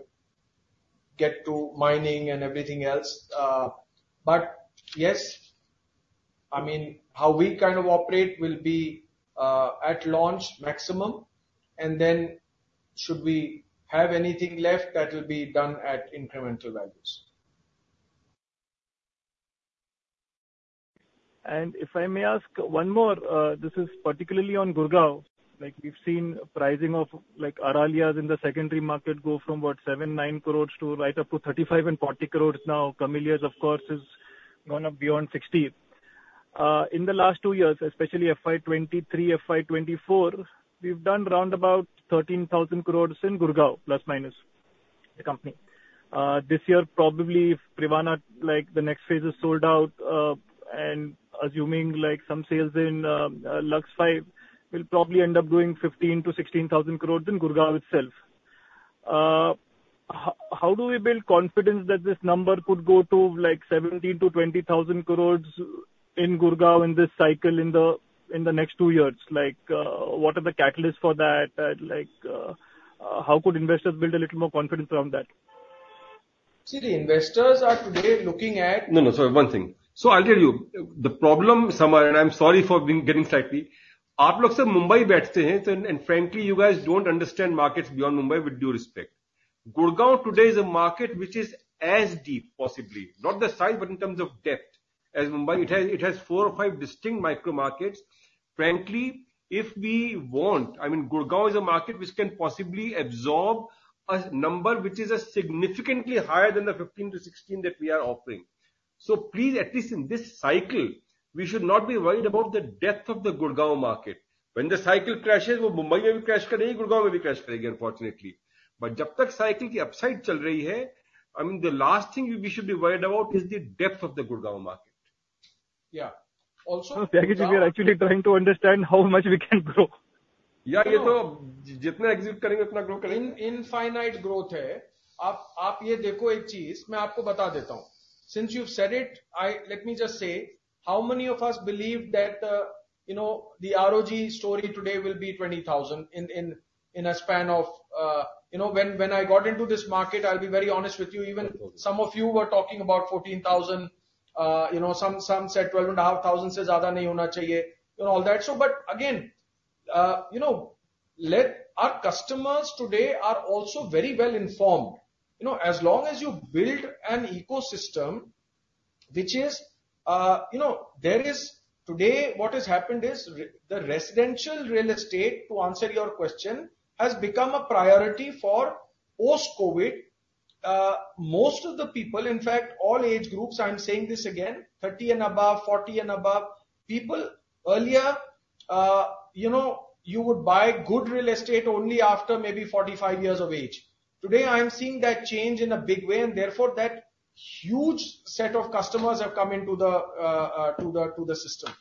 get to timing and everything else. But yes, I mean, how we kind of operate will be at launch maximum, and then should we have anything left, that will be done at incremental values. If I may ask one more, this is particularly on Gurugram. Like, we've seen pricing of, like, Aralia in the secondary market go from, what, 7-9 crore to right up to 35-40 crore now. Camellias, of course, is gone up beyond 60. In the last two years, especially FY 2023, FY 2024, we've done round about 13,000 crore in Gurugram, ±, the company. This year, probably, if Privana, like, the next phase is sold out, and assuming, like, some sales in Lux 5, we'll probably end up doing 15,000-16,000 crore in Gurugram itself. How do we build confidence that this number could go to, like, 17,000-20,000 crore in Gurugram in this cycle, in the next two years? Like, what are the catalysts for that? Like, how could investors build a little more confidence around that? See, the investors are today looking at- No, no, sorry, one thing. So I'll tell you, the problem, Samar, and I'm sorry for being, getting slightly... and frankly, you guys don't understand markets beyond Mumbai, with due respect. Gurgaon today is a market which is as deep, possibly, not the size, but in terms of depth, as Mumbai. It has four or five distinct micro markets. Frankly, if we want, I mean, Gurgaon is a market which can possibly absorb a number which is significantly higher than the 15-16 that we are offering. So please, at least in this cycle, we should not be worried about the depth of the Gurgaon market. When the cycle crashes, unfortunately. But I mean, the last thing we should be worried about is the depth of the Gurgaon market. Yeah. Also- Mr. Tyagi, we are actually trying to understand how much we can grow. Yeah, In infinite growth here. Since you've said it, I let me just say, how many of us believe that, you know, the ROG story today will be 20,000 in a span of. You know, when I got into this market, I'll be very honest with you, even some of you were talking about 14,000, you know, some said 12,500, and all that. So, but again, you know, let our customers today are also very well informed. You know, as long as you build an ecosystem which is, you know, there is today, what has happened is the residential real estate, to answer your question, has become a priority for post-COVID. Most of the people, in fact, all age groups, I'm saying this again, 30 and above, 40 and above, people earlier, you know, you would buy good real estate only after maybe 45 years of age. Today, I am seeing that change in a big way, and therefore that huge set of customers have come into the system.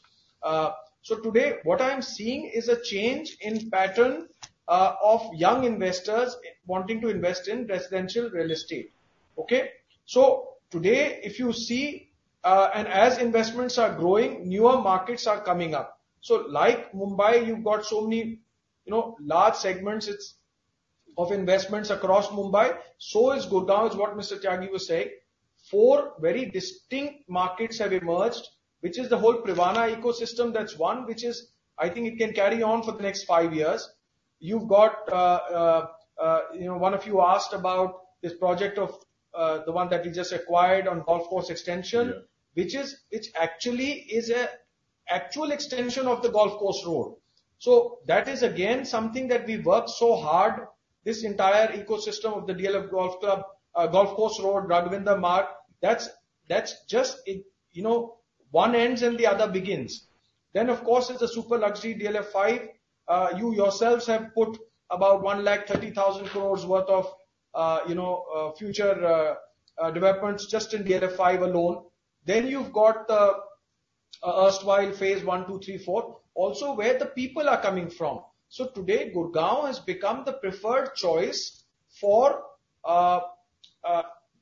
So today, what I'm seeing is a change in pattern of young investors wanting to invest in residential real estate. Okay? So today, if you see, and as investments are growing, newer markets are coming up. So like Mumbai, you've got so many, you know, large segments, it's, of investments across Mumbai. So is Gurgaon, as what Mr. Tyagi was saying. Four very distinct markets have emerged, which is the whole Privana ecosystem. That's one which is... I think it can carry on for the next five years. You've got, you know, one of you asked about this project of, the one that you just acquired on Golf Course Extension. Yeah. It's actually is a actual extension of the Golf Course Road. So that is, again, something that we worked so hard, this entire ecosystem of the DLF Golf Club, Golf Course Road, Raghvendra Marg. That's just it. You know, one ends, and the other begins. Then, of course, it's a super luxury DLF 5. You yourselves have put about 130,000 crore worth of, you know, future developments just in DLF 5 alone. Then you've got the erstwhile Phase 1, 2, 3, 4, also where the people are coming from. So today, Gurgaon has become the preferred choice for,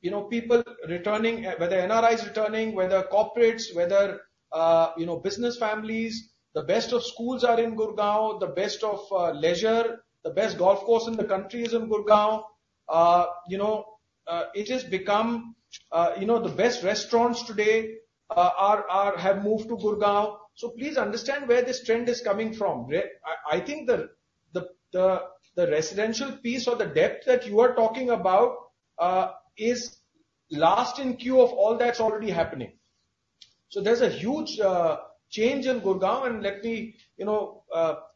you know, people returning, whether NRIs returning, whether corporates, whether, you know, business families. The best of schools are in Gurgaon, the best of leisure, the best golf course in the country is in Gurgaon. You know, the best restaurants today have moved to Gurgaon. So please understand where this trend is coming from. I think the residential piece or the depth that you are talking about is last in queue of all that's already happening. So there's a huge change in Gurgaon, and let me, you know,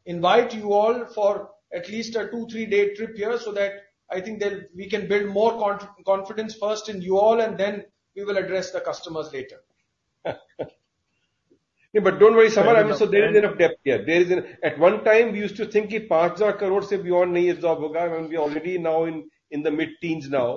invite you all for at least a 2-3-day trip here, so that I think then we can build more confidence first in you all, and then we will address the customers later. Yeah, but don't worry, Samar. I mean, so there is enough depth here. There is... At one time, we used to think "... 5,000 crore se beyond nahi absorb hoga," and we are already now in, in the mid-teens now.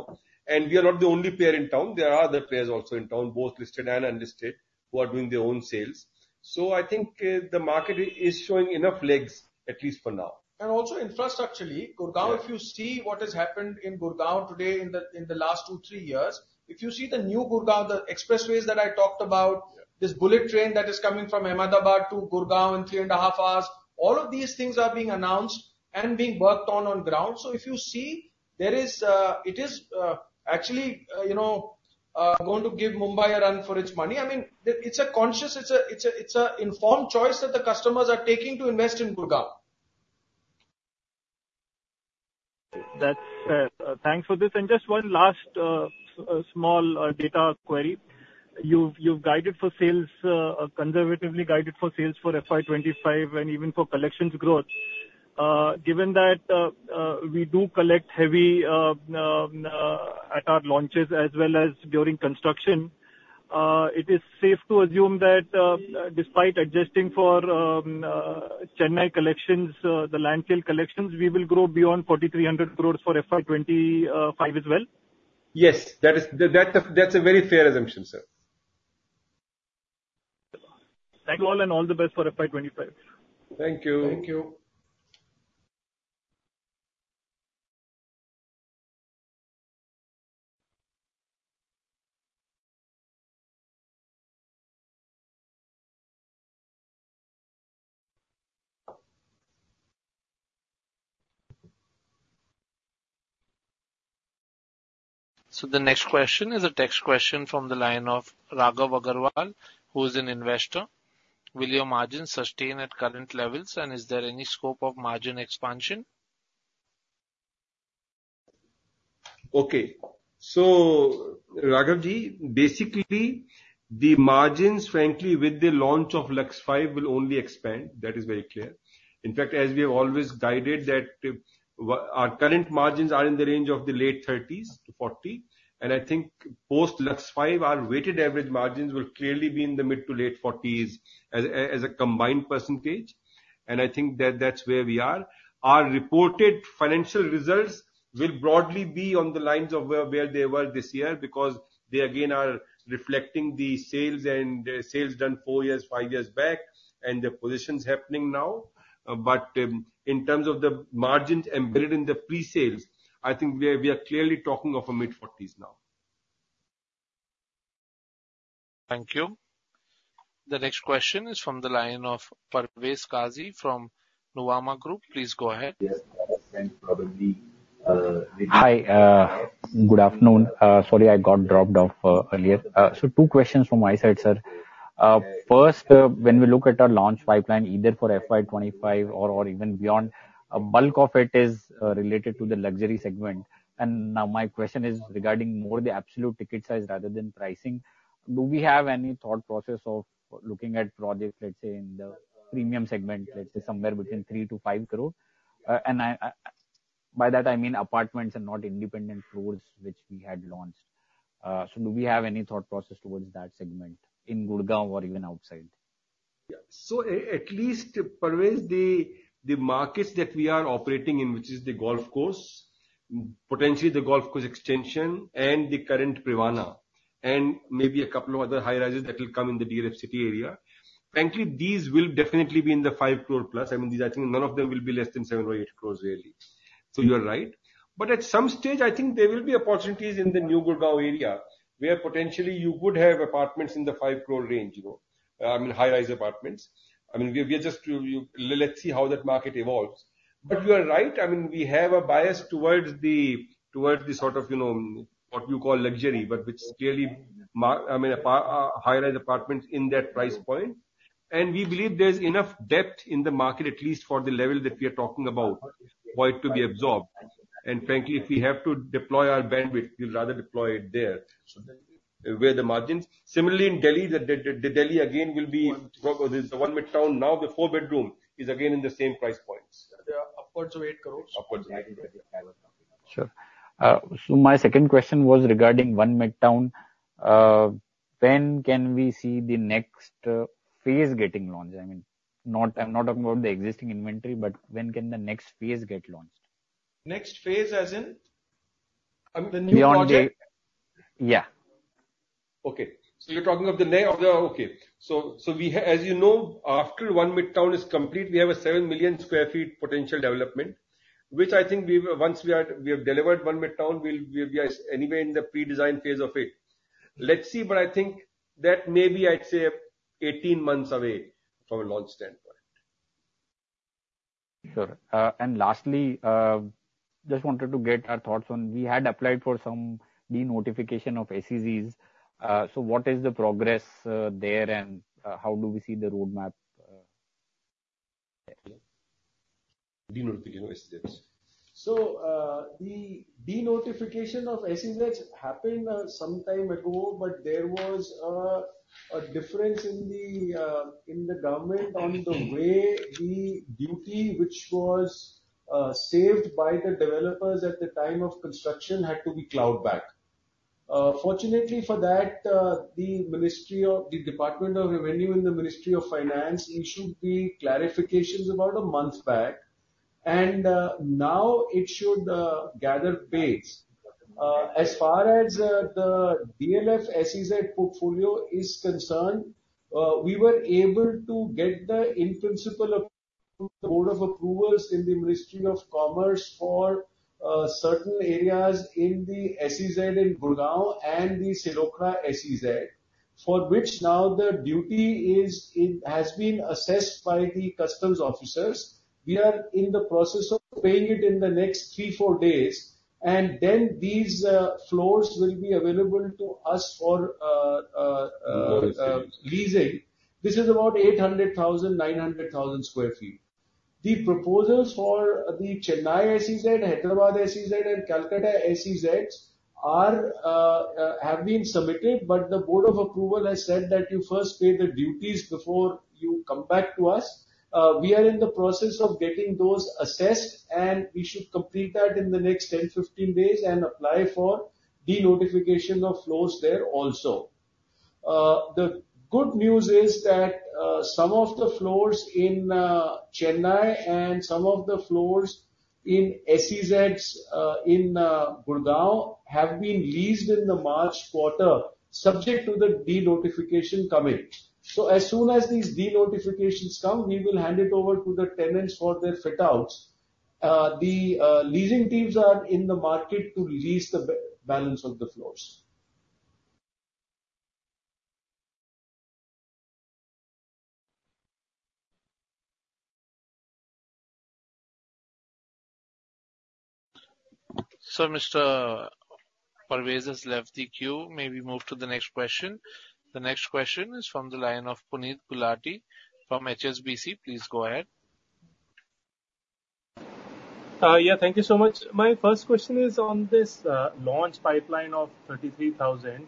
And we are not the only player in town. There are other players also in town, both listed and unlisted, who are doing their own sales. So I think, the market is showing enough legs, at least for now. Also infrastructurally, Gurgaon- Yeah. If you see what has happened in Gurgaon today in the last 2, 3 years, if you see the New Gurgaon, the expressways that I talked about Yeah. This bullet train that is coming from Ahmedabad to Gurgaon in 3.5 hours, all of these things are being announced and being worked on, on ground. So if you see, there is, it is, actually, you know, going to give Mumbai a run for its money. I mean, it's a conscious, informed choice that the customers are taking to invest in Gurgaon. That's fair. Thanks for this. And just one last small data query. You've guided for sales conservatively guided for sales for FY 25, and even for collections growth. Given that we do collect heavy at our launches as well as during construction, it is safe to assume that despite adjusting for Chennai collections, the land sale collections, we will grow beyond 4,300 crore for FY 25 as well? Yes. That's a very fair assumption, sir. Thank you all, and all the best for FY 25. Thank you. Thank you. So the next question is a text question from the line of Raghav Agarwal, who is an investor: Will your margins sustain at current levels, and is there any scope of margin expansion? Okay. So Raghav Ji, basically, the margins, frankly, with the launch of Lux 5 will only expand, that is very clear. In fact, as we have always guided that, our current margins are in the range of the late 30s-40, and I think post Lux 5, our weighted average margins will clearly be in the mid- to late 40s as a combined percentage, and I think that that's where we are. Our reported financial results will broadly be on the lines of where they were this year, because they again, are reflecting the sales and, sales done 4 years, 5 years back, and the positions happening now. But, in terms of the margins embedded in the pre-sales, I think we are clearly talking of a mid-40s now. Thank you. The next question is from the line of Parvez Qazi from Nuvama Group. Please go ahead. Yes, and probably, Hi, good afternoon. Sorry, I got dropped off, earlier. So two questions from my side, sir. First, when we look at our launch pipeline, either for FY 25 or, or even beyond, a bulk of it is, related to the luxury segment. And now my question is regarding more the absolute ticket size rather than pricing. Do we have any thought process of looking at projects, let's say, in the premium segment, let's say somewhere between 3 crore-5 crore? And I, by that I mean apartments and not independent floors which we had launched. So do we have any thought process towards that segment, in Gurgaon or even outside? Yeah. So at least, Parvez, the markets that we are operating in, which is the Golf Course Road, potentially the Golf Course Extension Road and the current Privana, and maybe a couple of other high-rises that will come in the DLF City area, frankly, these will definitely be in the 5 crore+. I mean, these, I think none of them will be less than 7 or 8 crores, really. So you are right. But at some stage, I think there will be opportunities in the New Gurgaon area, where potentially you could have apartments in the 5 crore range, you know, I mean, high-rise apartments. I mean, we are just, let's see how that market evolves. But you are right, I mean, we have a bias towards the, towards the sort of, you know, what you call luxury, but which clearly, I mean, high-rise apartments in that price point. And we believe there's enough depth in the market, at least for the level that we are talking about, for it to be absorbed. And frankly, if we have to deploy our bandwidth, we'd rather deploy it there, so where are the margins. Similarly, in Delhi, the Delhi again will be this, the One Midtown now, the four-bedroom is again in the same price points. They are upwards of 8 crore. Upwards, I was talking about. Sure. So my second question was regarding One Midtown. When can we see the next phase getting launched? I mean, not, I'm not talking about the existing inventory, but when can the next phase get launched? Next phase, as in? The new project? Beyond the... Yeah. Okay. So you're talking of the next or the... Okay. So, as you know, after One Midtown is complete, we have a 7 million sq ft potential development, which I think we will, once we are, we have delivered One Midtown, we'll, we'll be as anywhere in the pre-design phase of it. Let's see, but I think that may be, I'd say, 18 months away from a launch standpoint.... Sure. And lastly, just wanted to get our thoughts on, we had applied for some de-notification of SEZs. So what is the progress there, and how do we see the roadmap? De-notification of SEZs. The de-notification of SEZs happened some time ago, but there was a difference in the government on the way the duty, which was saved by the developers at the time of construction, had to be clawed back. Fortunately for that, the Department of Revenue and the Ministry of Finance issued the clarifications about a month back, and now it should gather pace. As far as the DLF SEZ portfolio is concerned, we were able to get the in principle board of approvals in the Ministry of Commerce for certain areas in the SEZ in Gurgaon and the Silokhera SEZ, for which now the duty has been assessed by the customs officers. We are in the process of paying it in the next 3-4 days, and then these floors will be available to us for leasing. This is about 800,000-900,000 sq ft. The proposals for the Chennai SEZ, Hyderabad SEZ, and Kolkata SEZs are have been submitted, but the board of approval has said that you first pay the duties before you come back to us. We are in the process of getting those assessed, and we should complete that in the next 10-15 days and apply for de-notification of floors there also. The good news is that some of the floors in Chennai and some of the floors in SEZs in Gurgaon have been leased in the March quarter, subject to the de-notification coming. So as soon as these denotifications come, we will hand it over to the tenants for their fit-outs. The leasing teams are in the market to lease the balance of the floors. Mr. Parvez has left the queue. May we move to the next question? The next question is from the line of Puneet Gulati from HSBC. Please go ahead. Yeah, thank you so much. My first question is on this launch pipeline of 33,000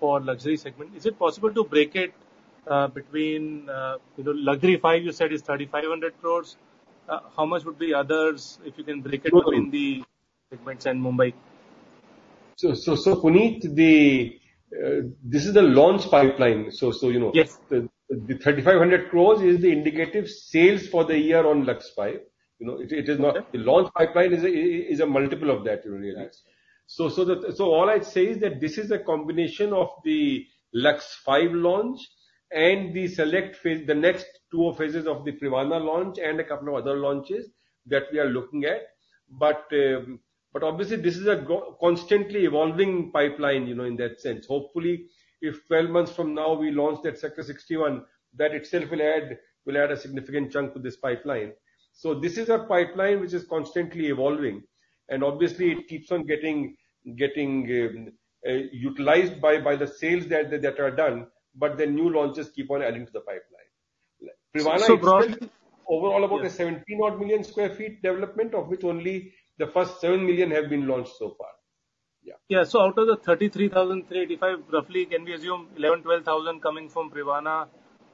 for luxury segment. Is it possible to break it between you know Lux 5 you said is 3,500 crore. How much would be others, if you can break it between the segments and Mumbai? So, Puneet, this is the launch pipeline. So, you know- Yes. The 3,500 crore is the indicative sales for the year on Lux 5. You know, it, it is not- Okay. The launch pipeline is a multiple of that, you will realize. Right. So all I'd say is that this is a combination of the Lux 5 launch and the select phase, the next two phases of the Privana launch and a couple of other launches that we are looking at. But obviously this is a constantly evolving pipeline, you know, in that sense. Hopefully, if 12 months from now, we launch that Sector 61, that itself will add a significant chunk to this pipeline. So this is a pipeline which is constantly evolving, and obviously it keeps on getting utilized by the sales that are done, but the new launches keep on adding to the pipeline. So, so- Privana itself, overall about a 17 odd million sq ft development, of which only the first 7 million have been launched so far. Yeah. Yeah. So out of the 33,000-35,000, roughly, can we assume 11,000-12,000 coming from Privana,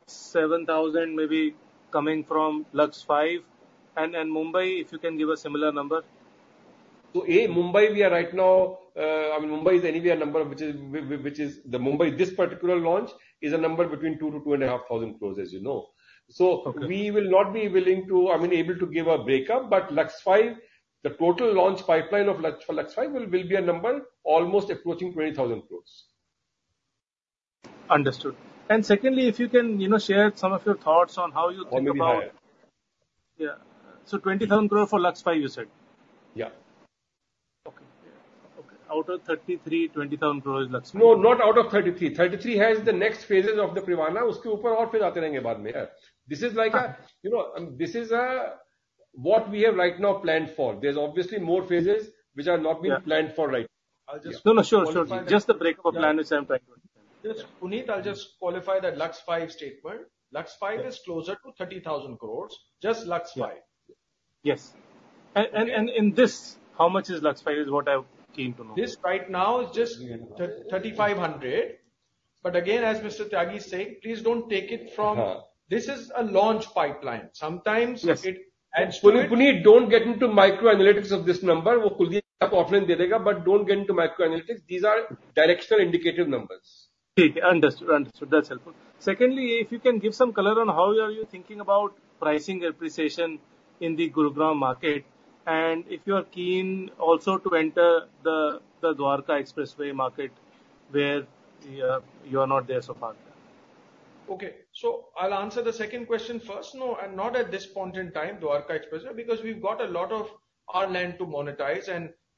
7,000 maybe coming from Lux 5? And, and Mumbai, if you can give a similar number. A, Mumbai, we are right now, I mean, Mumbai is anyway a number which is the Mumbai, this particular launch, is a number between 2,000 crore-2,500 crore, as you know. Okay. We will not be willing to, I mean, able to give a breakup, but Lux 5, the total launch pipeline of Lux, Lux 5, will be a number almost approaching 20,000 crore. Understood. Secondly, if you can, you know, share some of your thoughts on how you think about- What we have. Yeah. So 20,000 crore for Lux 5, you said? Yeah. Okay. Okay. Out of 33, 20,000 crore is Lux 5. No, not out of 33. 33 has the next phases of the Privana. After that more phases will come later. This is like a- Uh. You know, this is what we have right now planned for. There's obviously more phases which are not being- Yeah. planned for right now. I'll just- No, no, sure, sure. Just the breakdown of the plan, which I'm trying to understand. Puneet, I'll just qualify that Lux five statement. Lux five is closer to 30,000 crore. Just Lux five. Yeah. Yes. And in this, how much is Lux 5, is what I'm keen to know. This right now is just 3,500. But again, as Mr. Tyagi is saying, please don't take it from... Uh. This is a launch pipeline. Sometimes- Yes. It adds to it. Puneet, Puneet, don't get into microanalytics of this number. Kuldeep will give you offline. But don't get into microanalytics. These are directional indicative numbers. Okay. Understood. Understood. That's helpful. Secondly, if you can give some color on how are you thinking about pricing appreciation in the Gurgaon market, and if you are keen also to enter the Dwarka Expressway market, where you are not there so far? Okay, so I'll answer the second question first. No, I'm not at this point in time, Dwarka Expressway, because we've got a lot of our land to monetize.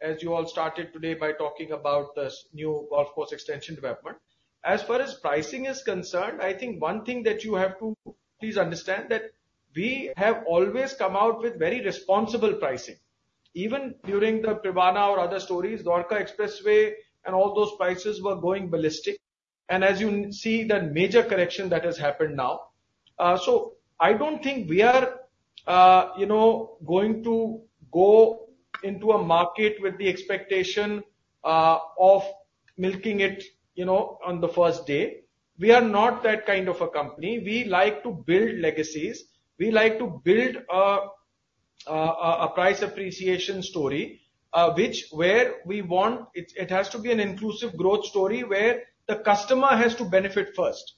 As you all started today by talking about this new Golf Course Extension development. As far as pricing is concerned, I think one thing that you have to please understand, that we have always come out with very responsible pricing.... even during the Privana or other stories, Dwarka Expressway and all those prices were going ballistic. And as you see, that major correction that has happened now. So I don't think we are, you know, going to go into a market with the expectation of milking it, you know, on the first day. We are not that kind of a company. We like to build legacies. We like to build a price appreciation story, which where we want it, it has to be an inclusive growth story, where the customer has to benefit first,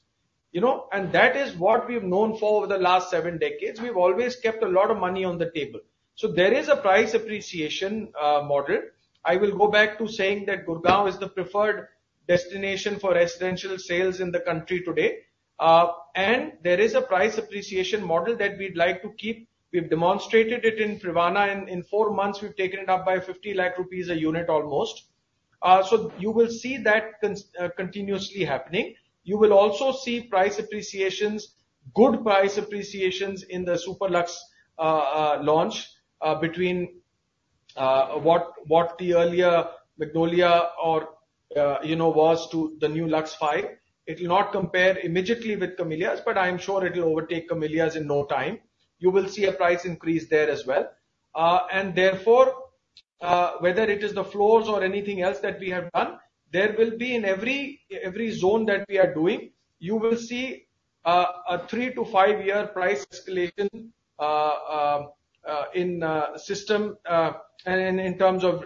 you know? And that is what we've known for over the last seven decades. We've always kept a lot of money on the table. So there is a price appreciation model. I will go back to saying that Gurgaon is the preferred destination for residential sales in the country today. And there is a price appreciation model that we'd like to keep. We've demonstrated it in Privana, and in four months, we've taken it up by 50 lakh rupees a unit almost. So you will see that continuously happening. You will also see price appreciations, good price appreciations, in the Super Lux launch between what the earlier Magnolias or, you know, was to the new Lux 5. It'll not compare immediately with Camellias, but I'm sure it'll overtake Camellias in no time. You will see a price increase there as well. And therefore, whether it is the floors or anything else that we have done, there will be in every zone that we are doing, you will see a 3-5-year price escalation in system, and in terms of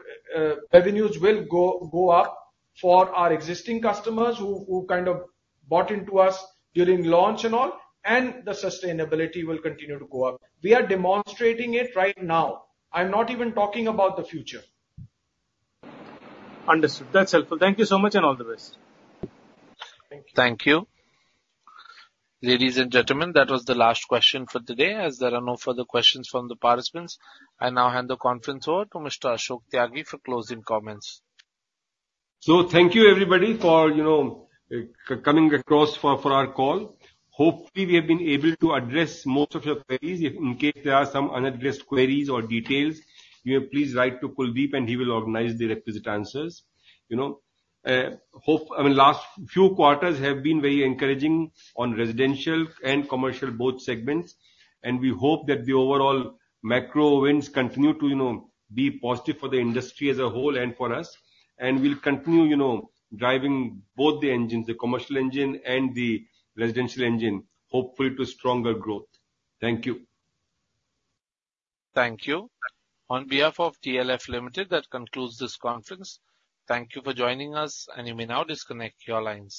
revenues will go up for our existing customers, who kind of bought into us during launch and all, and the sustainability will continue to go up. We are demonstrating it right now. I'm not even talking about the future. Understood. That's helpful. Thank you so much, and all the best. Thank you. Thank you. Ladies and gentlemen, that was the last question for today. As there are no further questions from the participants, I now hand the conference over to Mr. Ashok Tyagi for closing comments. So thank you, everybody, for, you know, coming across for our call. Hopefully, we have been able to address most of your queries. If in case there are some unaddressed queries or details, you may please write to Kuldeep, and he will organize the requisite answers, you know? And last few quarters have been very encouraging on residential and commercial, both segments, and we hope that the overall macro winds continue to, you know, be positive for the industry as a whole and for us. And we'll continue, you know, driving both the engines, the commercial engine and the residential engine, hopefully to stronger growth. Thank you. Thank you. On behalf of DLF Limited, that concludes this conference. Thank you for joining us, and you may now disconnect your lines.